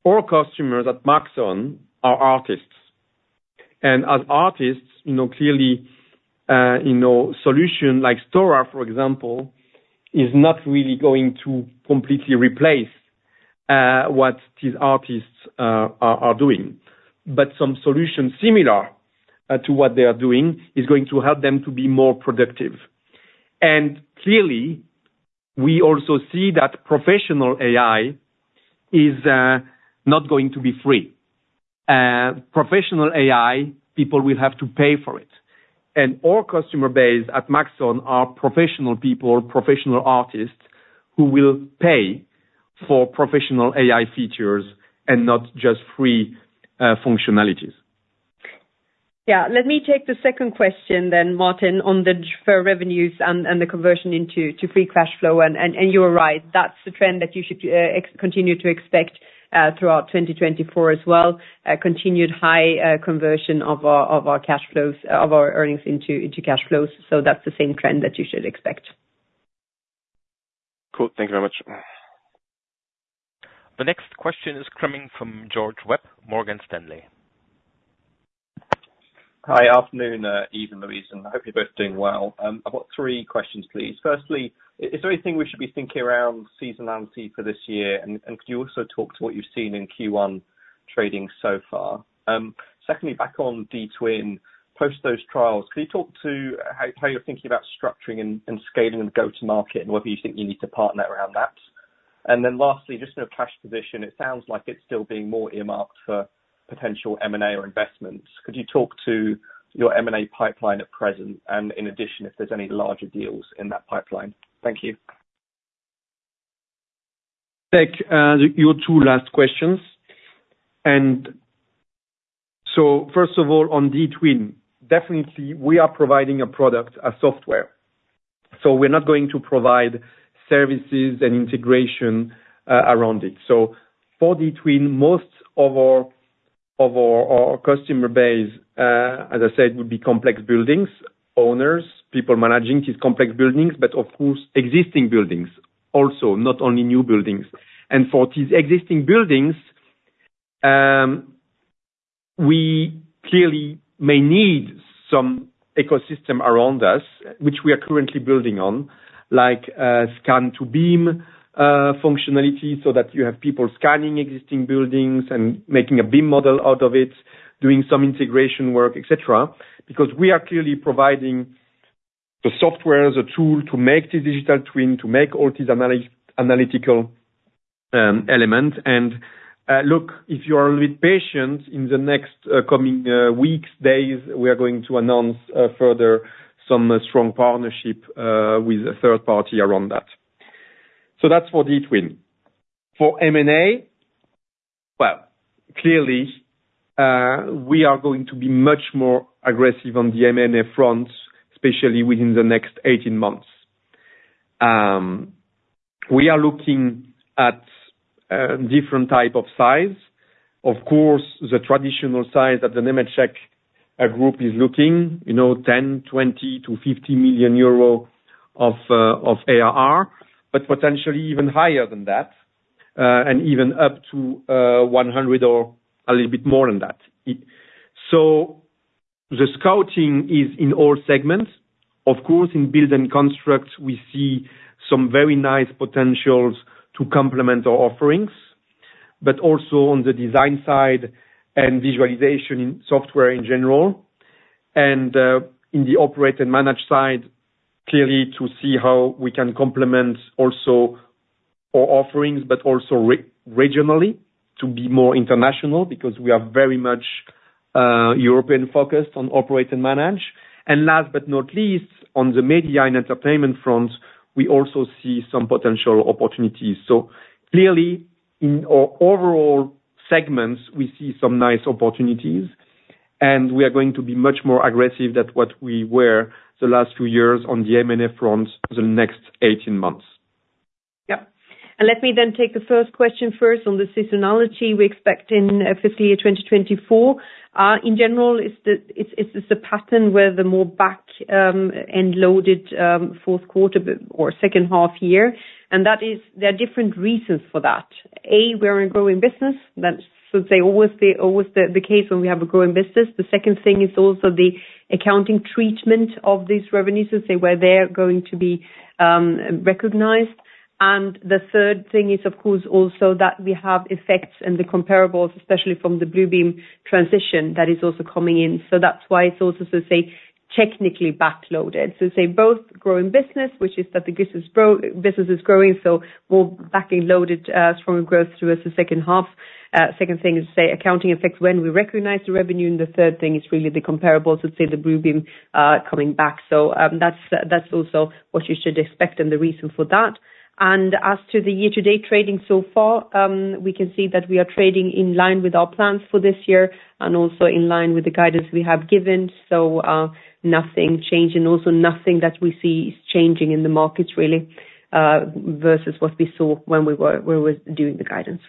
our customers at Maxon are artists. And as artists, clearly, a solution like Sora, for example, is not really going to completely replace what these artists are doing. But some solution similar to what they are doing is going to help them to be more productive. And clearly, we also see that professional AI is not going to be free. Professional AI, people will have to pay for it. And our customer base at Maxon are professional people, professional artists who will pay for professional AI features and not just free functionalities. Yeah. Let me take the second question then, Martin, on the deferred revenues and the conversion into free cash flow. You're right. That's the trend that you should continue to expect throughout 2024 as well, continued high conversion of our cash flows, of our earnings into cash flows. So that's the same trend that you should expect. Cool. Thank you very much. The next question is coming from George Webb, Morgan Stanley. Hi. Afternoon, Yves and Louise. And I hope you're both doing well. I've got three questions, please. Firstly, is there anything we should be thinking around seasonality for this year? And could you also talk to what you've seen in Q1 trading so far? Secondly, back on dTwin, post those trials, could you talk to how you're thinking about structuring and scaling and go-to-market and whether you think you need to partner around that? And then lastly, just in a cash position, it sounds like it's still being more earmarked for potential M&A or investments. Could you talk to your M&A pipeline at present and, in addition, if there's any larger deals in that pipeline? Thank you. Take your two last questions. And so first of all, on dTwin, definitely, we are providing a product, a software. So we're not going to provide services and integration around it. So for dTwin, most of our customer base, as I said, would be complex buildings, owners, people managing these complex buildings, but of course, existing buildings also, not only new buildings. And for these existing buildings, we clearly may need some ecosystem around us, which we are currently building on, like scan-to-BIM functionality so that you have people scanning existing buildings and making a BIM model out of it, doing some integration work, etc., because we are clearly providing the software, the tool to make this digital twin, to make all these analytical elements. And look, if you are a little bit patient, in the next coming weeks, days, we are going to announce further some strong partnership with a third party around that. So that's for dTwin. For M&A, well, clearly, we are going to be much more aggressive on the M&A front, especially within the next 18 months. We are looking at different types of size. Of course, the traditional size that the Nemetschek Group is looking, 10 million, 20 to 50 million of ARR, but potentially even higher than that and even up to 100 million or a little bit more than that. So the scouting is in all segments. Of course, in build and construct, we see some very nice potentials to complement our offerings, but also on the design side and visualization in software in general. In the operate and manage side, clearly, to see how we can complement also our offerings, but also regionally to be more international because we are very much European-focused on operate and manage. And last but not least, on the media and entertainment front, we also see some potential opportunities. Clearly, in our overall segments, we see some nice opportunities, and we are going to be much more aggressive than what we were the last few years on the M&A front the next 18 months. Yep. And let me then take the first question first on the seasonality we expect in fiscal year 2024. In general, is this a pattern where the more back-end loaded fourth quarter or second half year? And there are different reasons for that. A, we are a growing business. That should, say, always be the case when we have a growing business. The second thing is also the accounting treatment of these revenues, so, say, where they're going to be recognized. And the third thing is, of course, also that we have effects and the comparables, especially from the Bluebeam transition that is also coming in. So that's why it's also, so to say, technically backloaded. So, say, both growing business, which is that the business is growing, so more back-end loaded stronger growth throughout the second half. Second thing is, say, accounting effects when we recognize the revenue. And the third thing is really the comparables, so to say, the Bluebeam coming back. So that's also what you should expect and the reason for that. And as to the year-to-date trading so far, we can see that we are trading in line with our plans for this year and also in line with the guidance we have given. So nothing changed and also nothing that we see is changing in the markets, really, versus what we saw when we were doing the guidance.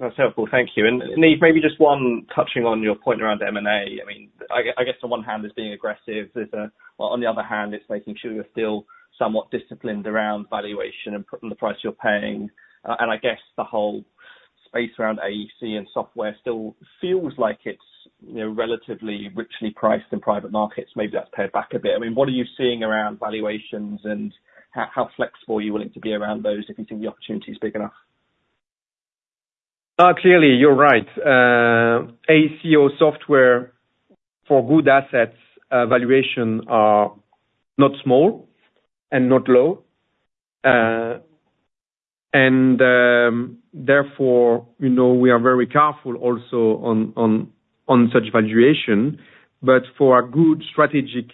That's helpful. Thank you. And Yves, maybe just one touching on your point around M&A. I mean, I guess on one hand, it's being aggressive. On the other hand, it's making sure you're still somewhat disciplined around valuation and the price you're paying. And I guess the whole space around AEC and software still feels like it's relatively richly priced in private markets. Maybe that's pared back a bit. I mean, what are you seeing around valuations and how flexible you're willing to be around those if you think the opportunity is big enough? Clearly, you're right. AECO software for good assets valuation are not small and not low. Therefore, we are very careful also on such valuation. But for a good strategic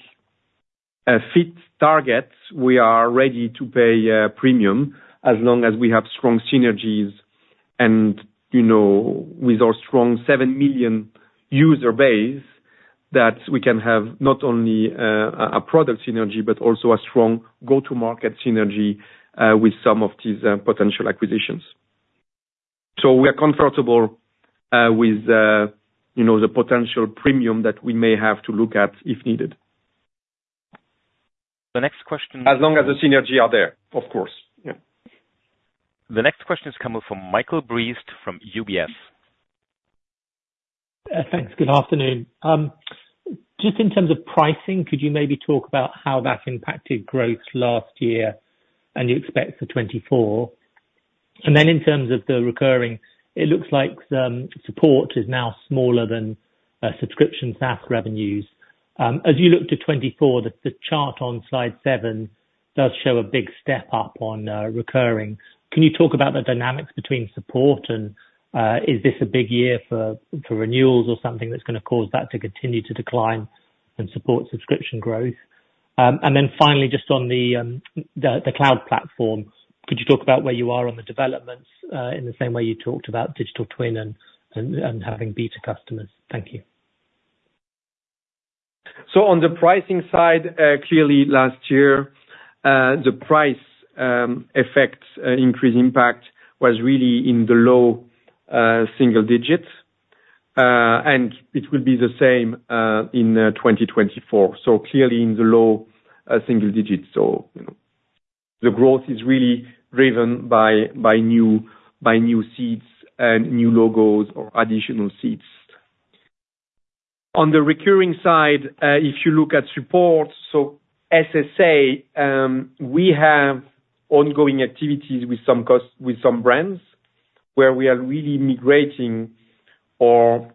fit target, we are ready to pay a premium as long as we have strong synergies and with our strong 7 million user base that we can have not only a product synergy but also a strong go-to-market synergy with some of these potential acquisitions. We are comfortable with the potential premium that we may have to look at if needed. The next question. As long as the synergy are there, of course. Yeah. The next question is coming from Michael Briest from UBS. Thanks. Good afternoon. Just in terms of pricing, could you maybe talk about how that impacted growth last year and you expect for 2024? And then in terms of the recurring, it looks like support is now smaller than subscription SaaS revenues. As you look to 2024, the chart on slide 7 does show a big step up on recurring. Can you talk about the dynamics between support, and is this a big year for renewals or something that's going to cause that to continue to decline and support subscription growth? And then finally, just on the cloud platform, could you talk about where you are on the developments in the same way you talked about Digital Twin and having beta customers? Thank you. So on the pricing side, clearly, last year, the price effect increase impact was really in the low single digits. It will be the same in 2024. So clearly, in the low single digits. So the growth is really driven by new seats and new logos or additional seats. On the recurring side, if you look at support, so SSA, we have ongoing activities with some brands where we are really migrating our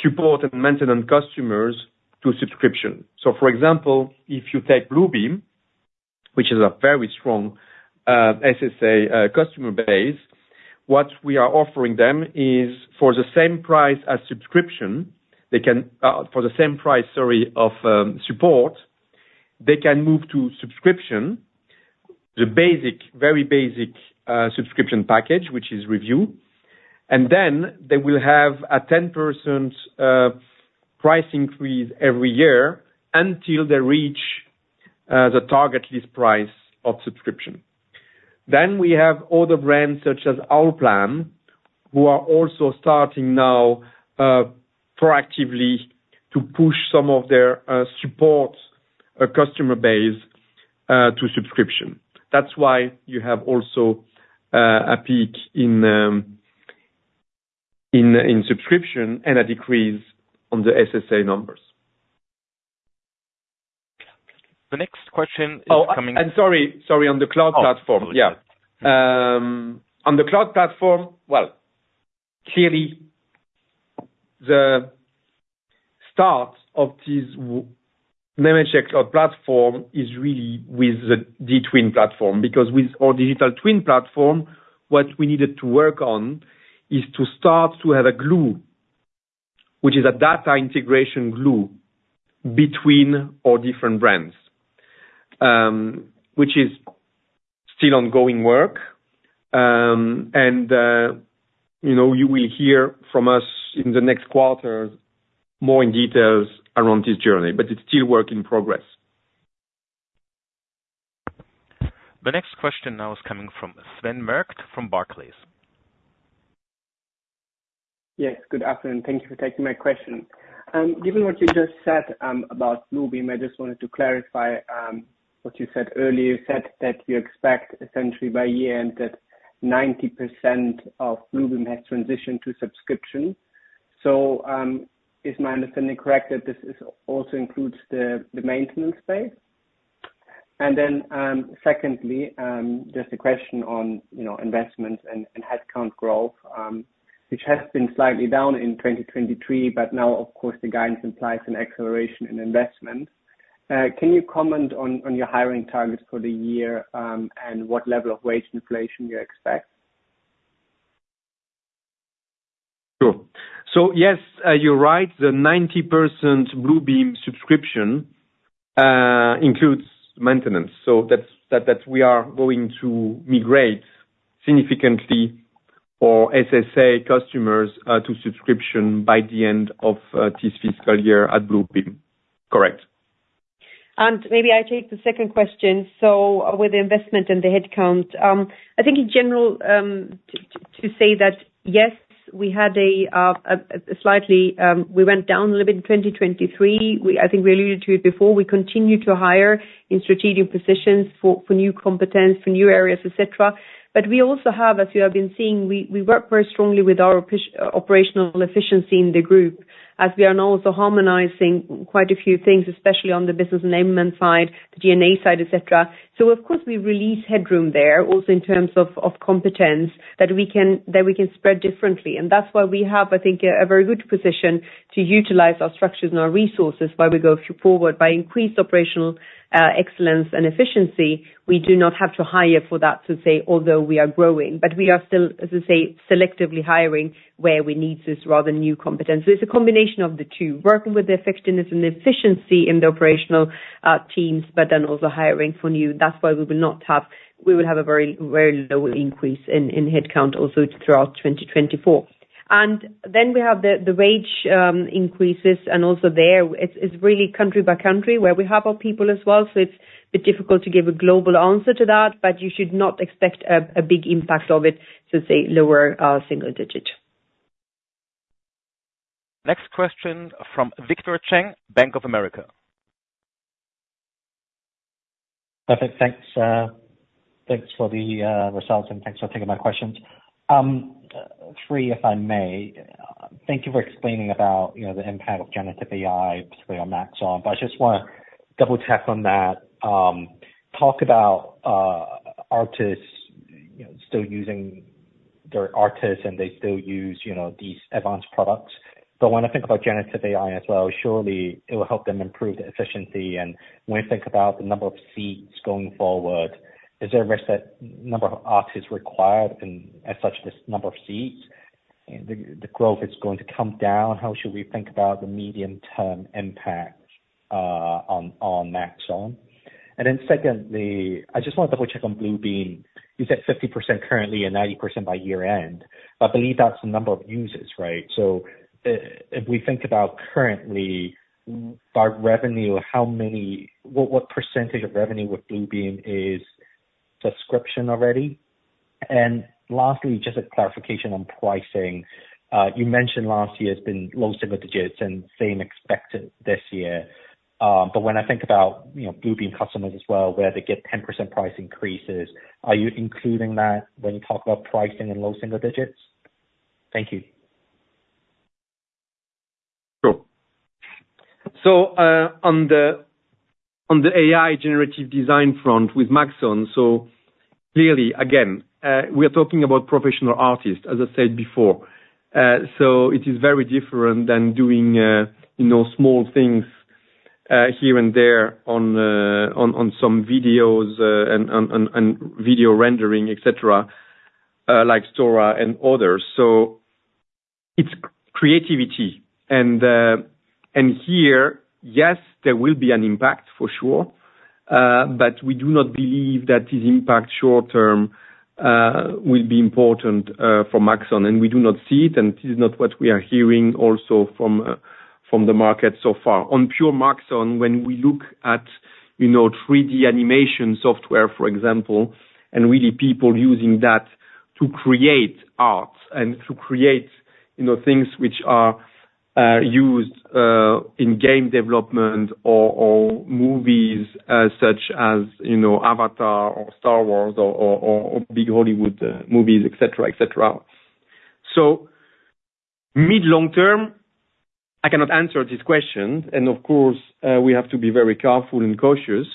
support and maintenance customers to subscription. So for example, if you take Bluebeam, which is a very strong SSA customer base, what we are offering them is for the same price as subscription, they can for the same price, sorry, of support, they can move to subscription, the very basic subscription package, which is Revu. And then they will have a 10% price increase every year until they reach the target list price of subscription. We have other brands such as Allplan who are also starting now proactively to push some of their support customer base to subscription. That's why you have also a peak in subscription and a decrease on the SSA numbers. The next question is coming. On the cloud platform, well, clearly, the start of this Nemetschek cloud platform is really with the dTwin platform because with our digital twin platform, what we needed to work on is to start to have a glue, which is a data integration glue between our different brands, which is still ongoing work. And you will hear from us in the next quarters more in details around this journey, but it's still work in progress. The next question now is coming from Sven Merkt from Barclays. Yes. Good afternoon. Thank you for taking my question. Given what you just said about Bluebeam, I just wanted to clarify what you said earlier. You said that you expect essentially by year end that 90% of Bluebeam has transitioned to subscription. So is my understanding correct that this also includes the maintenance space? And then secondly, just a question on investments and headcount growth, which has been slightly down in 2023, but now, of course, the guidance implies an acceleration in investments. Can you comment on your hiring targets for the year and what level of wage inflation you expect? Sure. So yes, you're right. The 90% Bluebeam subscription includes maintenance. So that's that we are going to migrate significantly our SSA customers to subscription by the end of this fiscal year at Bluebeam. Correct. And maybe I take the second question. So with the investment and the headcount, I think in general, to say that yes, we went down a little bit in 2023. I think we alluded to it before. We continue to hire in strategic positions for new competence, for new areas, etc. But we also have, as you have been seeing, we work very strongly with our operational efficiency in the group as we are now also harmonizing quite a few things, especially on the business enablement side, the DNA side, etc. So of course, we release headroom there also in terms of competence that we can spread differently. And that's why we have, I think, a very good position to utilize our structures and our resources while we go forward by increased operational excellence and efficiency. We do not have to hire for that, so to say, although we are growing. But we are still, as I say, selectively hiring where we need this rather new competence. So it's a combination of the two, working with the effectiveness and efficiency in the operational teams, but then also hiring for new. That's why we will have a very low increase in headcount also throughout 2024. And then we have the wage increases. And also there, it's really country by country where we have our people as well. So it's a bit difficult to give a global answer to that, but you should not expect a big impact of it, so to say, lower single digit. Next question from Victor Cheng, Bank of America. Perfect. Thanks for the results and thanks for taking my questions. three, if I may. Thank you for explaining about the impact of generative AI, particularly on Maxon. But I just want to double-check on that. Talk about artists still using their artists, and they still use these advanced products. But when I think about generative AI as well, surely it will help them improve the efficiency. And when we think about the number of seats going forward, is there a risk that number of artists required and as such, this number of seats, the growth is going to come down? How should we think about the medium-term impact on Maxon? And then secondly, I just want to double-check on Bluebeam. You said 50% currently and 90% by year-end. But I believe that's the number of users, right? If we think about currently by revenue, what percentage of revenue with Bluebeam is subscription already? And lastly, just a clarification on pricing. You mentioned last year has been low single digits and same expected this year. But when I think about Bluebeam customers as well, where they get 10% price increases, are you including that when you talk about pricing and low single digits? Thank you. Sure. So on the AI generative design front with Maxon, so clearly, again, we are talking about professional artists, as I said before. So it is very different than doing small things here and there on some videos and video rendering, etc., like Sora and others. So it's creativity. And here, yes, there will be an impact for sure. But we do not believe that this impact short-term will be important for Maxon. And we do not see it. And this is not what we are hearing also from the market so far. On pure Maxon, when we look at 3D animation software, for example, and really people using that to create art and to create things which are used in game development or movies such as Avatar or Star Wars or big Hollywood movies, etc., etc. So mid-long-term, I cannot answer this question. And of course, we have to be very careful and cautious.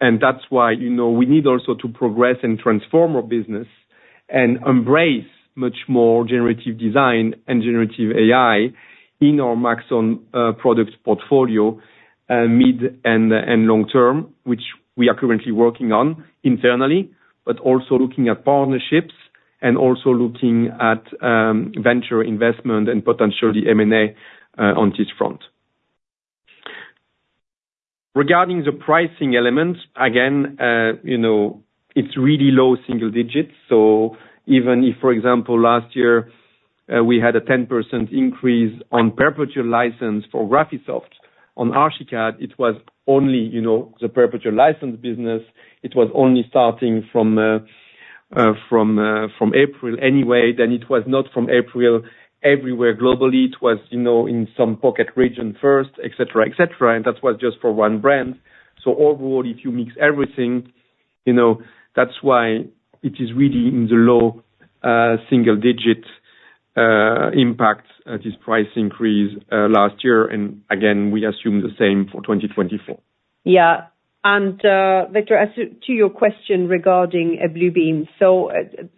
And that's why we need also to progress and transform our business and embrace much more generative design and generative AI in our Maxon product portfolio mid and long-term, which we are currently working on internally, but also looking at partnerships and also looking at venture investment and potentially M&A on this front. Regarding the pricing element, again, it's really low single digits. So even if, for example, last year, we had a 10% increase on perpetual license for Graphisoft on Archicad, it was only the perpetual license business. It was only starting from April anyway. Then it was not from April everywhere globally. It was in some pocket region first, etc., etc. And that was just for one brand. So overall, if you mix everything, that's why it is really in the low single-digit impact this price increase last year. And again, we assume the same for 2024. Yeah. And Victor, to your question regarding Bluebeam, so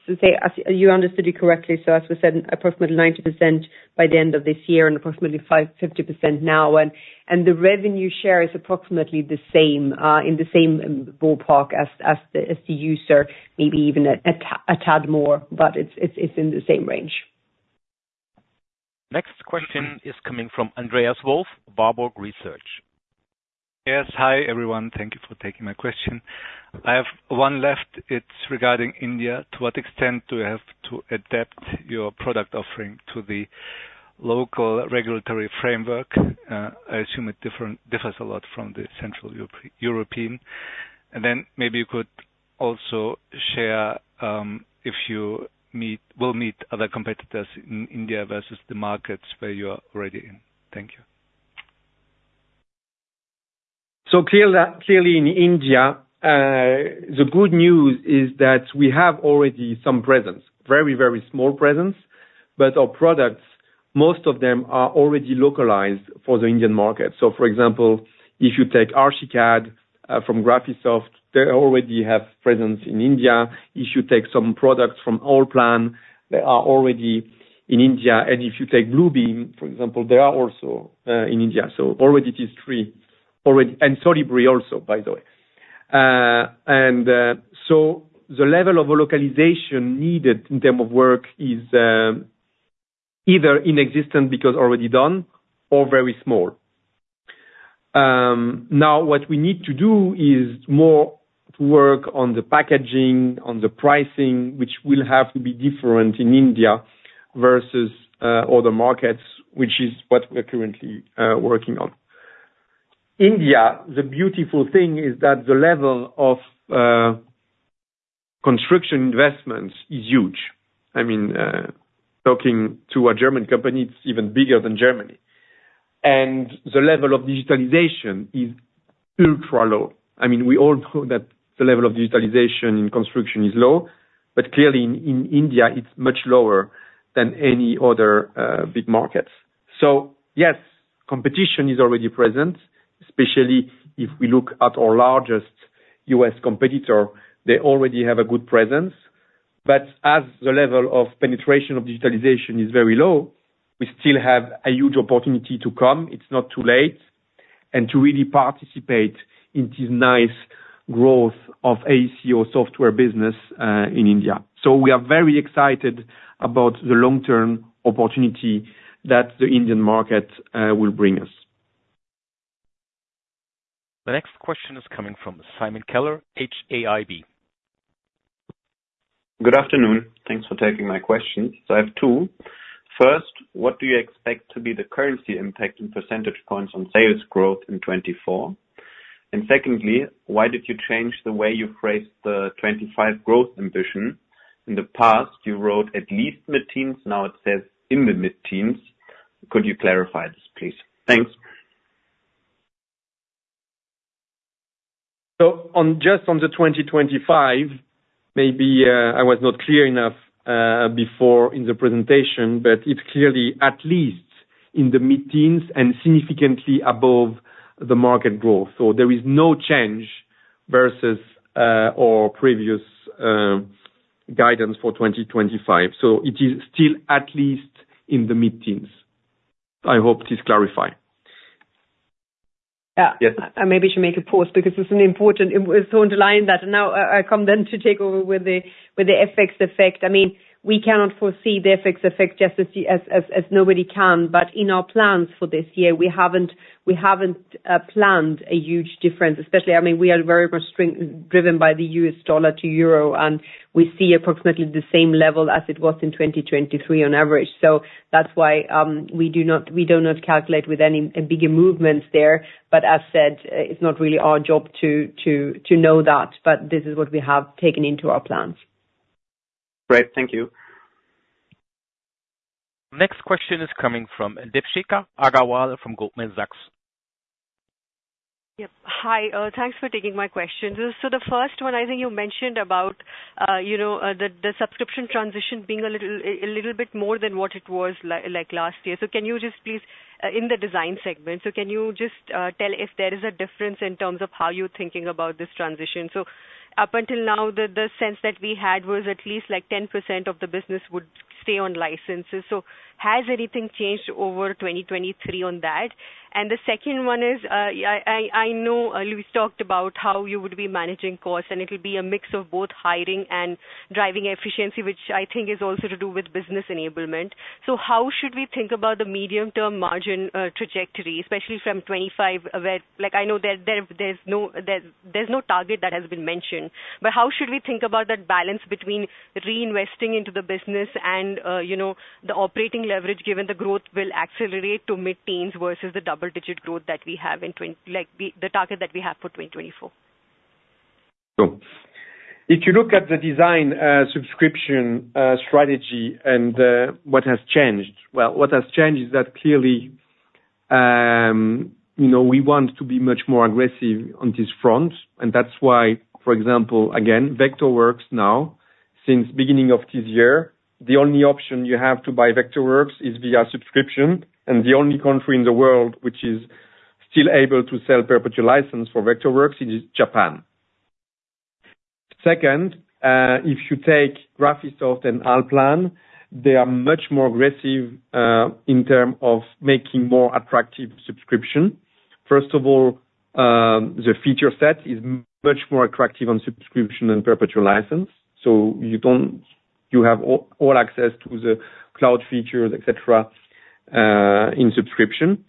to say, you understood it correctly. So as we said, approximately 90% by the end of this year and approximately 50% now. And the revenue share is approximately the same in the same ballpark as the user, maybe even a tad more, but it's in the same range. Next question is coming from Andreas Wolf, Warburg Research. Yes. Hi, everyone. Thank you for taking my question. I have one left. It's regarding India. To what extent do you have to adapt your product offering to the local regulatory framework? I assume it differs a lot from the Central European. And then maybe you could also share if you will meet other competitors in India versus the markets where you are already in? Thank you. So clearly, in India, the good news is that we have already some presence, very, very small presence. But our products, most of them are already localized for the Indian market. So for example, if you take Archicad from Graphisoft, they already have presence in India. If you take some products from Allplan, they are already in India. And if you take Bluebeam, for example, they are also in India. So already it is three already and Solibri also, by the way. And so the level of localization needed in terms of work is either inexistent because already done or very small. Now, what we need to do is more to work on the packaging, on the pricing, which will have to be different in India versus other markets, which is what we're currently working on. India, the beautiful thing is that the level of construction investments is huge. I mean, talking to a German company, it's even bigger than Germany. The level of digitalization is ultra-low. I mean, we all know that the level of digitalization in construction is low. But clearly, in India, it's much lower than any other big markets. So yes, competition is already present, especially if we look at our largest U.S. competitor. They already have a good presence. But as the level of penetration of digitalization is very low, we still have a huge opportunity to come. It's not too late and to really participate in this nice growth of AECO software business in India. So we are very excited about the long-term opportunity that the Indian market will bring us. The next question is coming from Simon Keller, HAIB. Good afternoon. Thanks for taking my questions. So I have two. First, what do you expect to be the currency impact in percentage points on sales growth in 2024? And secondly, why did you change the way you phrased the 2025 growth ambition? In the past, you wrote at least mid-teens. Now, it says in the mid-teens. Could you clarify this, please? Thanks. So just on the 2025, maybe I was not clear enough before in the presentation, but it's clearly at least in the mid-teens and significantly above the market growth. So there is no change versus our previous guidance for 2025. So it is still at least in the mid-teens. I hope this clarifies. Yeah. Maybe you should make a pause because it's so underlying that. Now I come then to take over with the FX effect. I mean, we cannot foresee the FX effect just as nobody can. But in our plans for this year, we haven't planned a huge difference, especially I mean, we are very much driven by the U.S. dollar to euro. And we see approximately the same level as it was in 2023 on average. So that's why we do not calculate with any bigger movements there. But as said, it's not really our job to know that. But this is what we have taken into our plans. Great. Thank you. Next question is coming from Deepshikha Agarwal from Goldman Sachs. Yep. Hi. Thanks for taking my questions. So the first one, I think you mentioned about the subscription transition being a little bit more than what it was last year. So can you just please in the design segment, so can you just tell if there is a difference in terms of how you're thinking about this transition? So up until now, the sense that we had was at least 10% of the business would stay on licenses. So has anything changed over 2023 on that? And the second one is, I know Louise talked about how you would be managing costs. And it will be a mix of both hiring and driving efficiency, which I think is also to do with business enablement. So how should we think about the medium-term margin trajectory, especially from 2025 where I know there's no target that has been mentioned? How should we think about that balance between reinvesting into the business and the operating leverage given the growth will accelerate to mid-teens versus the double-digit growth that we have in the target that we have for 2024? So if you look at the design subscription strategy and what has changed, well, what has changed is that clearly, we want to be much more aggressive on this front. And that's why, for example, again, Vectorworks now, since beginning of this year, the only option you have to buy Vectorworks is via subscription. And the only country in the world which is still able to sell perpetual license for Vectorworks is Japan. Second, if you take Graphisoft and Allplan, they are much more aggressive in terms of making more attractive subscription. First of all, the feature set is much more attractive on subscription than perpetual license. So you have all access to the cloud features, etc., in subscription.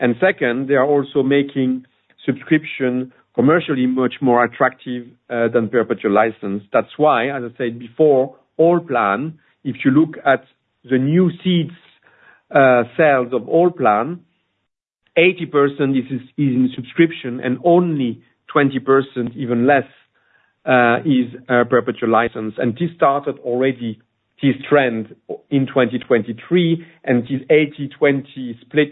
And second, they are also making subscription commercially much more attractive than perpetual license. That's why, as I said before, Allplan, if you look at the new SaaS sales of Allplan, 80% is in subscription and only 20%, even less, is perpetual license. And this started already this trend in 2023. And this 80/20 split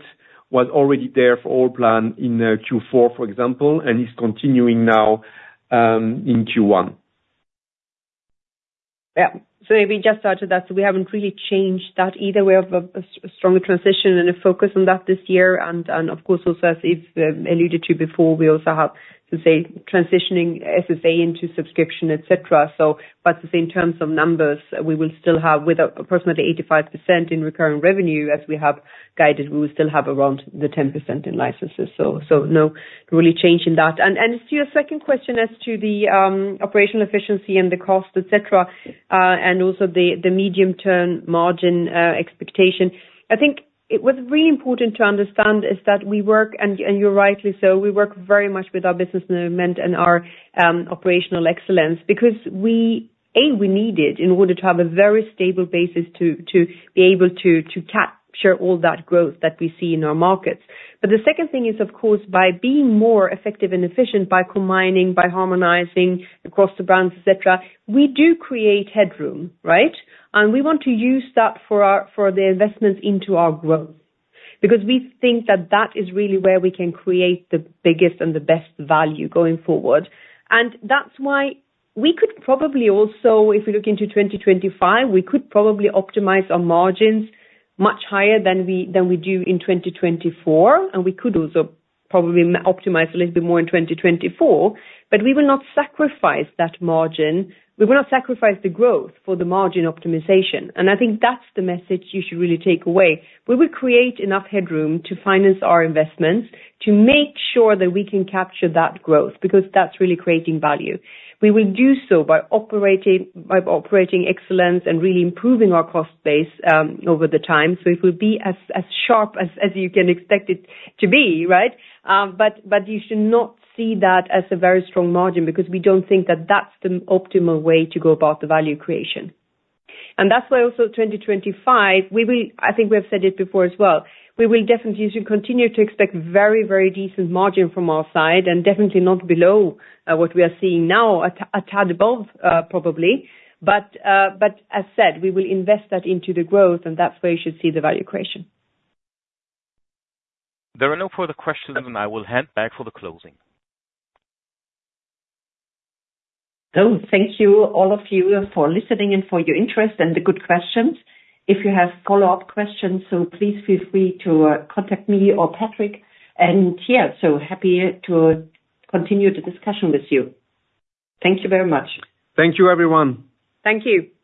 was already there for Allplan in Q4, for example, and is continuing now in Q1. Yeah. So maybe just add to that. So we haven't really changed that either. We have a stronger transition and a focus on that this year. And of course, also as I've alluded to before, we also have, to say, transitioning SSA into subscription, etc. But in terms of numbers, we will still have approximately 85% in recurring revenue. As we have guided, we will still have around 10% in licenses. So no real change in that. And to your second question as to the operational efficiency and the cost, etc., and also the medium-term margin expectation, I think what's really important to understand is that we work and you're rightly so, we work very much with our business enablement and our operational excellence because A, we need it in order to have a very stable basis to be able to capture all that growth that we see in our markets. But the second thing is, of course, by being more effective and efficient, by combining, by harmonizing across the brands, etc., we do create headroom, right? And we want to use that for the investments into our growth because we think that that is really where we can create the biggest and the best value going forward. And that's why we could probably also, if we look into 2025, we could probably optimize our margins much higher than we do in 2024. We could also probably optimize a little bit more in 2024. But we will not sacrifice that margin. We will not sacrifice the growth for the margin optimization. And I think that's the message you should really take away. We will create enough headroom to finance our investments to make sure that we can capture that growth because that's really creating value. We will do so by operating excellence and really improving our cost base over the time. So it will be as sharp as you can expect it to be, right? But you should not see that as a very strong margin because we don't think that that's the optimal way to go about the value creation. That's why also 2025, I think we have said it before as well, we will definitely continue to expect very, very decent margin from our side and definitely not below what we are seeing now, a tad above probably. But as said, we will invest that into the growth. And that's where you should see the value creation. There are no further questions. I will head back for the closing. Thank you, all of you, for listening and for your interest and the good questions. If you have follow-up questions, so please feel free to contact me or Patrick. Yeah, so happy to continue the discussion with you. Thank you very much. Thank you, everyone. Thank you.